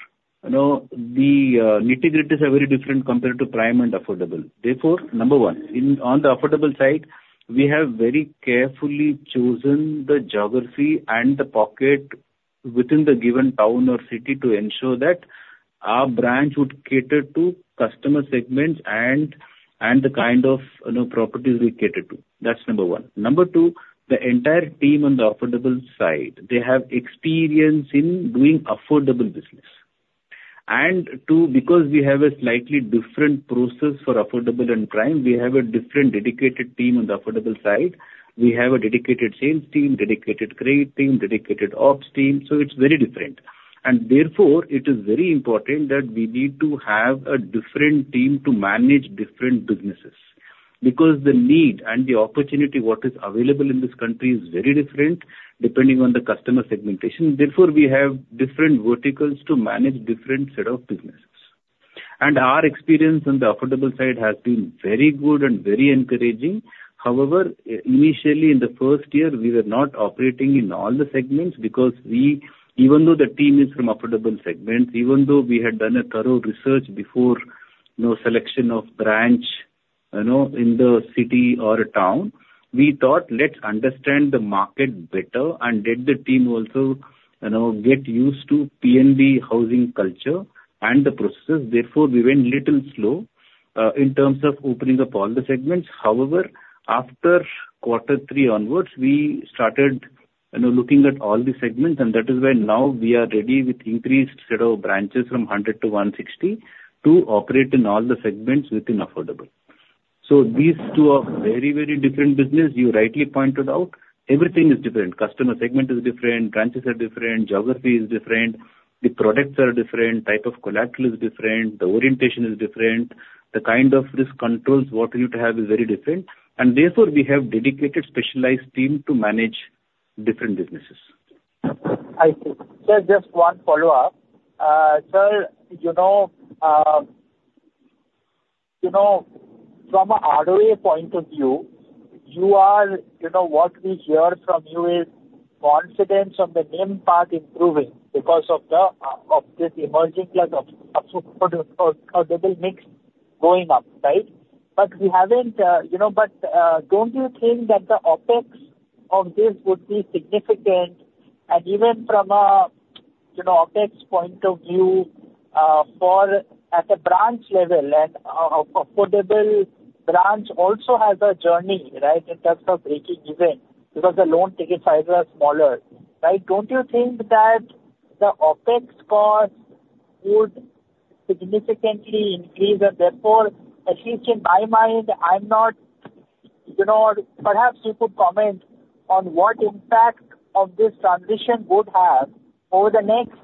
the nitty-gritty is very different compared to prime and affordable. Therefore, number one, on the affordable side, we have very carefully chosen the geography and the pocket within the given town or city to ensure that our branch would cater to customer segments and the kind of properties we cater to. That's number one. Number two, the entire team on the affordable side, they have experience in doing affordable business. And two, because we have a slightly different process for affordable and prime, we have a different dedicated team on the affordable side. We have a dedicated sales team, dedicated credit team, dedicated ops team. So it's very different. And therefore, it is very important that we need to have a different team to manage different businesses because the need and the opportunity, what is available in this country, is very different depending on the customer segmentation. Therefore, we have different verticals to manage different set of businesses. And our experience on the affordable side has been very good and very encouraging. However, initially, in the first year, we were not operating in all the segments because even though the team is from affordable segments, even though we had done a thorough research before selection of branch in the city or a town, we thought, "Let's understand the market better," and did the team also get used to PNB Housing culture and the processes. Therefore, we went a little slow in terms of opening up all the segments. However, after quarter three onwards, we started looking at all the segments. And that is why now we are ready with increased set of branches from 100 to 160 to operate in all the segments within affordable. So these two are very, very different businesses. You rightly pointed out. Everything is different. Customer segment is different. Branches are different. Geography is different. The products are different. Type of collateral is different. The orientation is different. The kind of risk controls, what you need to have, is very different. And therefore, we have a dedicated specialized team to manage different businesses. I see. Sir, just one follow-up. Sir, from an ROA point of view, what we hear from you is confidence on the NIMs part improving because of this emerging plus affordable mix going up, right? But we haven't but don't you think that the OPEX of this would be significant? And even from an OPEX point of view, at a branch level, an affordable branch also has a journey, right, in terms of breaking even because the loan ticket size is smaller, right? Don't you think that the OPEX cost would significantly increase? And therefore, at least in my mind, I'm not perhaps you could comment on what impact this transition would have over the next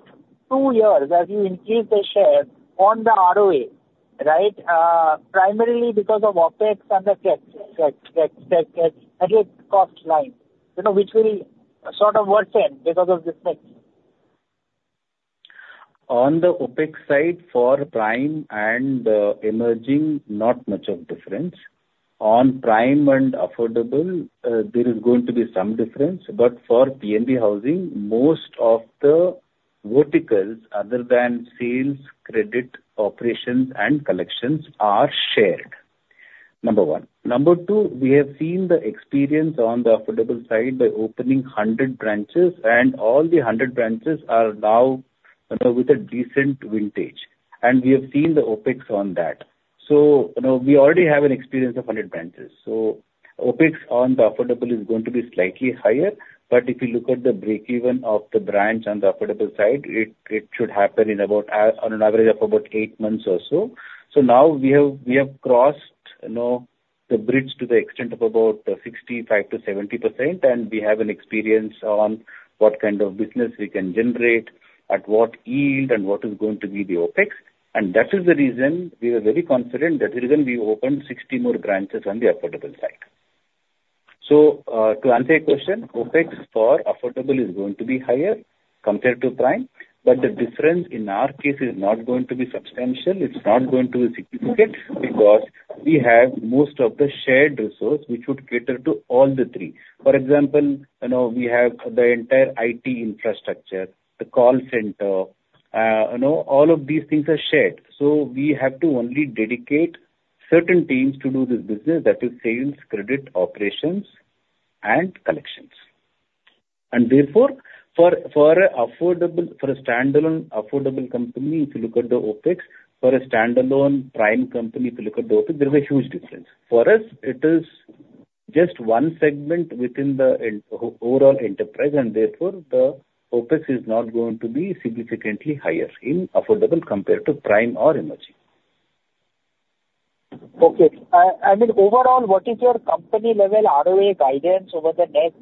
2 years as you increase the share on the ROA, right, primarily because of OPEX and the cost line, which will sort of worsen because of this mix? On the OPEX side for prime and emerging, not much of difference. On prime and affordable, there is going to be some difference. But for PNB Housing, most of the verticals, other than sales, credit, operations, and collections, are shared, number one. Number two, we have seen the experience on the affordable side by opening 100 branches, and all the 100 branches are now with a decent vintage. And we have seen the OPEX on that. So we already have an experience of 100 branches. So OPEX on the affordable is going to be slightly higher. But if you look at the break-even of the branch on the affordable side, it should happen on an average of about eight months or so. So now, we have crossed the bridge to the extent of about 65%-70%, and we have an experience on what kind of business we can generate, at what yield, and what is going to be the OPEX. And that is the reason we are very confident that we're going to be opening 60 more branches on the affordable side. So to answer your question, OPEX for affordable is going to be higher compared to prime. But the difference in our case is not going to be substantial. It's not going to be significant because we have most of the shared resource, which would cater to all the three. For example, we have the entire IT infrastructure, the call center. All of these things are shared. We have to only dedicate certain teams to do this business. That is sales, credit, operations, and collections. Therefore, for a standalone affordable company, if you look at the OPEX, for a standalone prime company, if you look at the OPEX, there is a huge difference. For us, it is just one segment within the overall enterprise. Therefore, the OPEX is not going to be significantly higher in affordable compared to prime or emerging. Okay. I mean, overall, what is your company-level ROA guidance over the next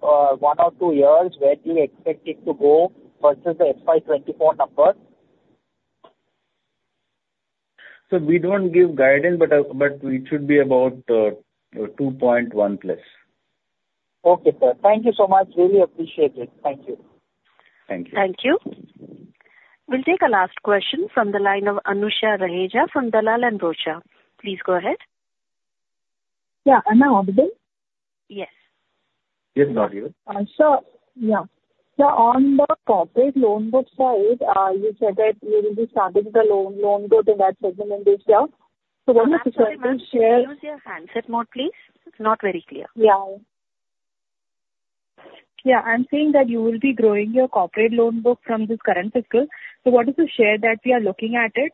one or two years where do you expect it to go versus the FY 2024 number? So we don't give guidance, but it should be about 2.1+. Okay, Sir. Thank you so much. Really appreciate it. Thank you. Thank you. Thank you. We'll take a last question from the line of Anusha Raheja from Dalal & Broacha. Please go ahead. Yeah. Am I audible? Yes. Yes, not yet. Sure. Yeah. Sir, on the corporate loan book side, you said that you will be starting the loan book in that segment in this year. So what is the share? Can you use your handset mode, please? It's not very clear. Yeah. Yeah. I'm seeing that you will be growing your corporate loan book from this current fiscal. So what is the share that we are looking at? It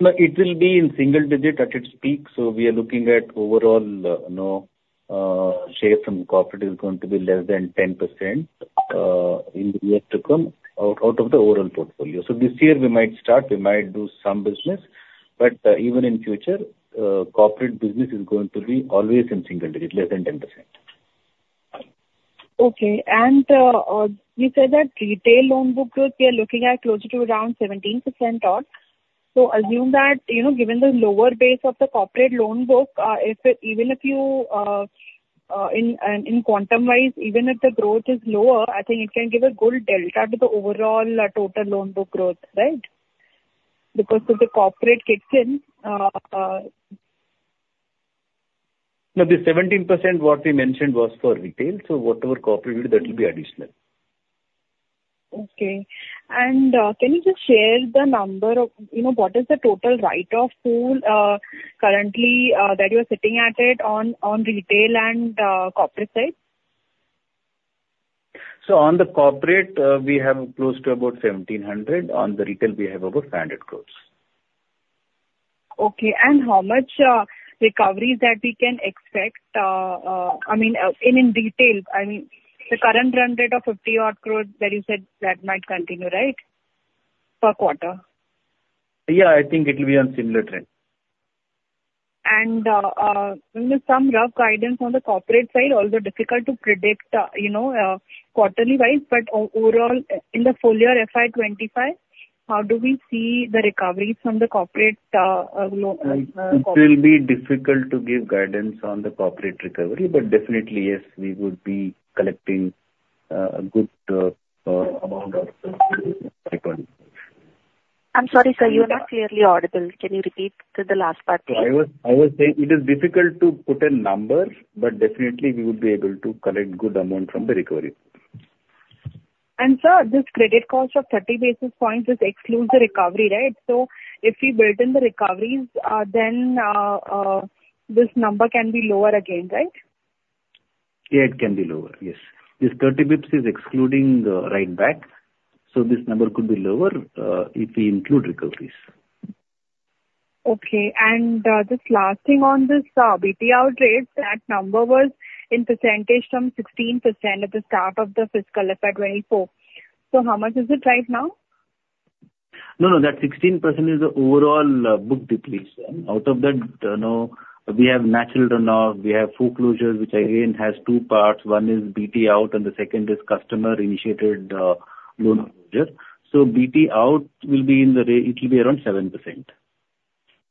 will be in single digit at its peak. So we are looking at overall share from corporate is going to be less than 10% in the years to come out of the overall portfolio. So this year, we might start. We might do some business. But even in future, corporate business is going to be always in single digit, less than 10%. Okay. And you said that retail loan books, we are looking at closer to around 17% odd. So assume that given the lower base of the corporate loan book, even if you in quantum-wise, even if the growth is lower, I think it can give a good delta to the overall total loan book growth, right, because of the corporate kicks in? No, the 17% what we mentioned was for retail. So whatever corporate you do, that will be additional. Okay. And can you just share the number of what is the total write-off pool currently that you are sitting at on retail and corporate sides? So on the corporate, we have close to about 1,700 crore. On the retail, we have about 500 crore. Okay. How much recovery is that we can expect? I mean, in detail, I mean, the current run rate of 50-odd crore that you said that might continue, right, per quarter? Yeah. I think it will be on similar trend. Some rough guidance on the corporate side, although difficult to predict quarterly-wise. Overall, in the full year FY 2025, how do we see the recoveries from the corporate? It will be difficult to give guidance on the corporate recovery. Definitely, yes, we would be collecting a good amount of recovery. I'm sorry, Sir. You are not clearly audible. Can you repeat the last part, please? I was saying it is difficult to put a number, but definitely, we would be able to collect a good amount from the recovery. Sir, this credit cost of 30 basis points excludes the recovery, right? So if we build in the recoveries, then this number can be lower again, right? Yeah. It can be lower. Yes. This 30 bps is excluding the write-back. So this number could be lower if we include recoveries. Okay. And just last thing on this BT out rate. That number was in percentage from 16% at the start of the fiscal FY 2024. So how much is it right now? No, no. That 16% is the overall book depletion. Out of that, we have natural runoff. We have full closures, which again has two parts. One is BT out, and the second is customer-initiated loan closure. So BT out will be in the it will be around 7%.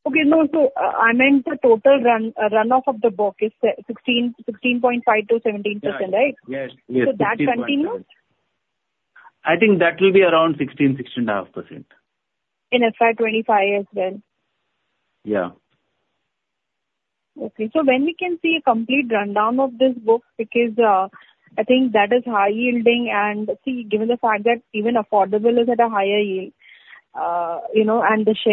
Okay. No. So I meant the total runoff of the book is 16.5%-17%, right? Yes. Yes. Yes. So that continues? I think that will be around 16%-16.5%. In FY 2025 as well? Yeah. Okay. So when can we see a complete rundown of this book because I think that is high-yielding?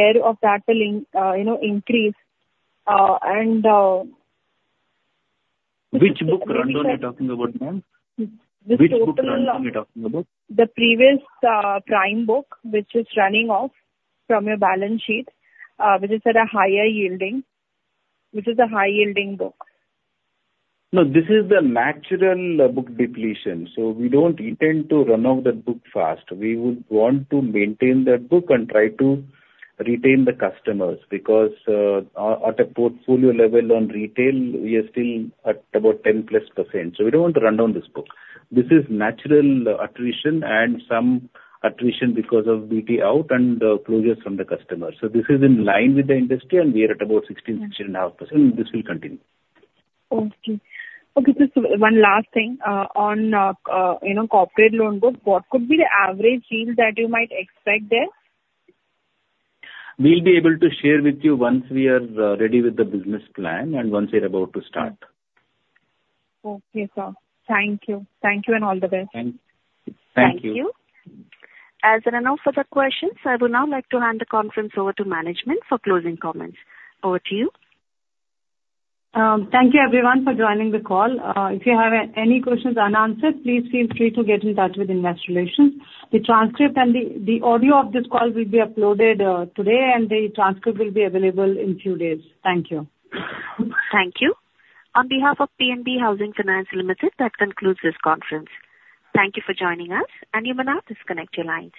Which book rundown are you talking about, ma'am? Which book rundown are you talking about? The previous prime book, which is running off from your balance sheet, which is a high-yielding book. No, this is the natural book depletion. So we don't intend to run off that book fast. We would want to maintain that book and try to retain the customers because at a portfolio level on retail, we are still at about 10%+. So we don't want to run down this book. This is natural attrition and some attrition because of BT out and closures from the customers. So this is in line with the industry, and we are at about 16%-16.5%. This will continue. Okay. Okay. Just one last thing. On corporate loan books, what could be the average yield that you might expect there? We'll be able to share with you once we are ready with the business plan and once we are about to start. Okay, Sir. Thank you. Thank you. Thank you. As a wrap-up of the questions, I would now like to hand the conference over to management for closing comments. Over to you. Thank you, everyone, for joining the call. If you have any questions unanswered, please feel free to get in touch with investor relations. The transcript and the audio of this call will be uploaded today, and the transcript will be available in a few days. Thank you. Thank you. On behalf of PNB Housing Finance Limited, that concludes this conference. Thank you for joining us. You may now disconnect your lines.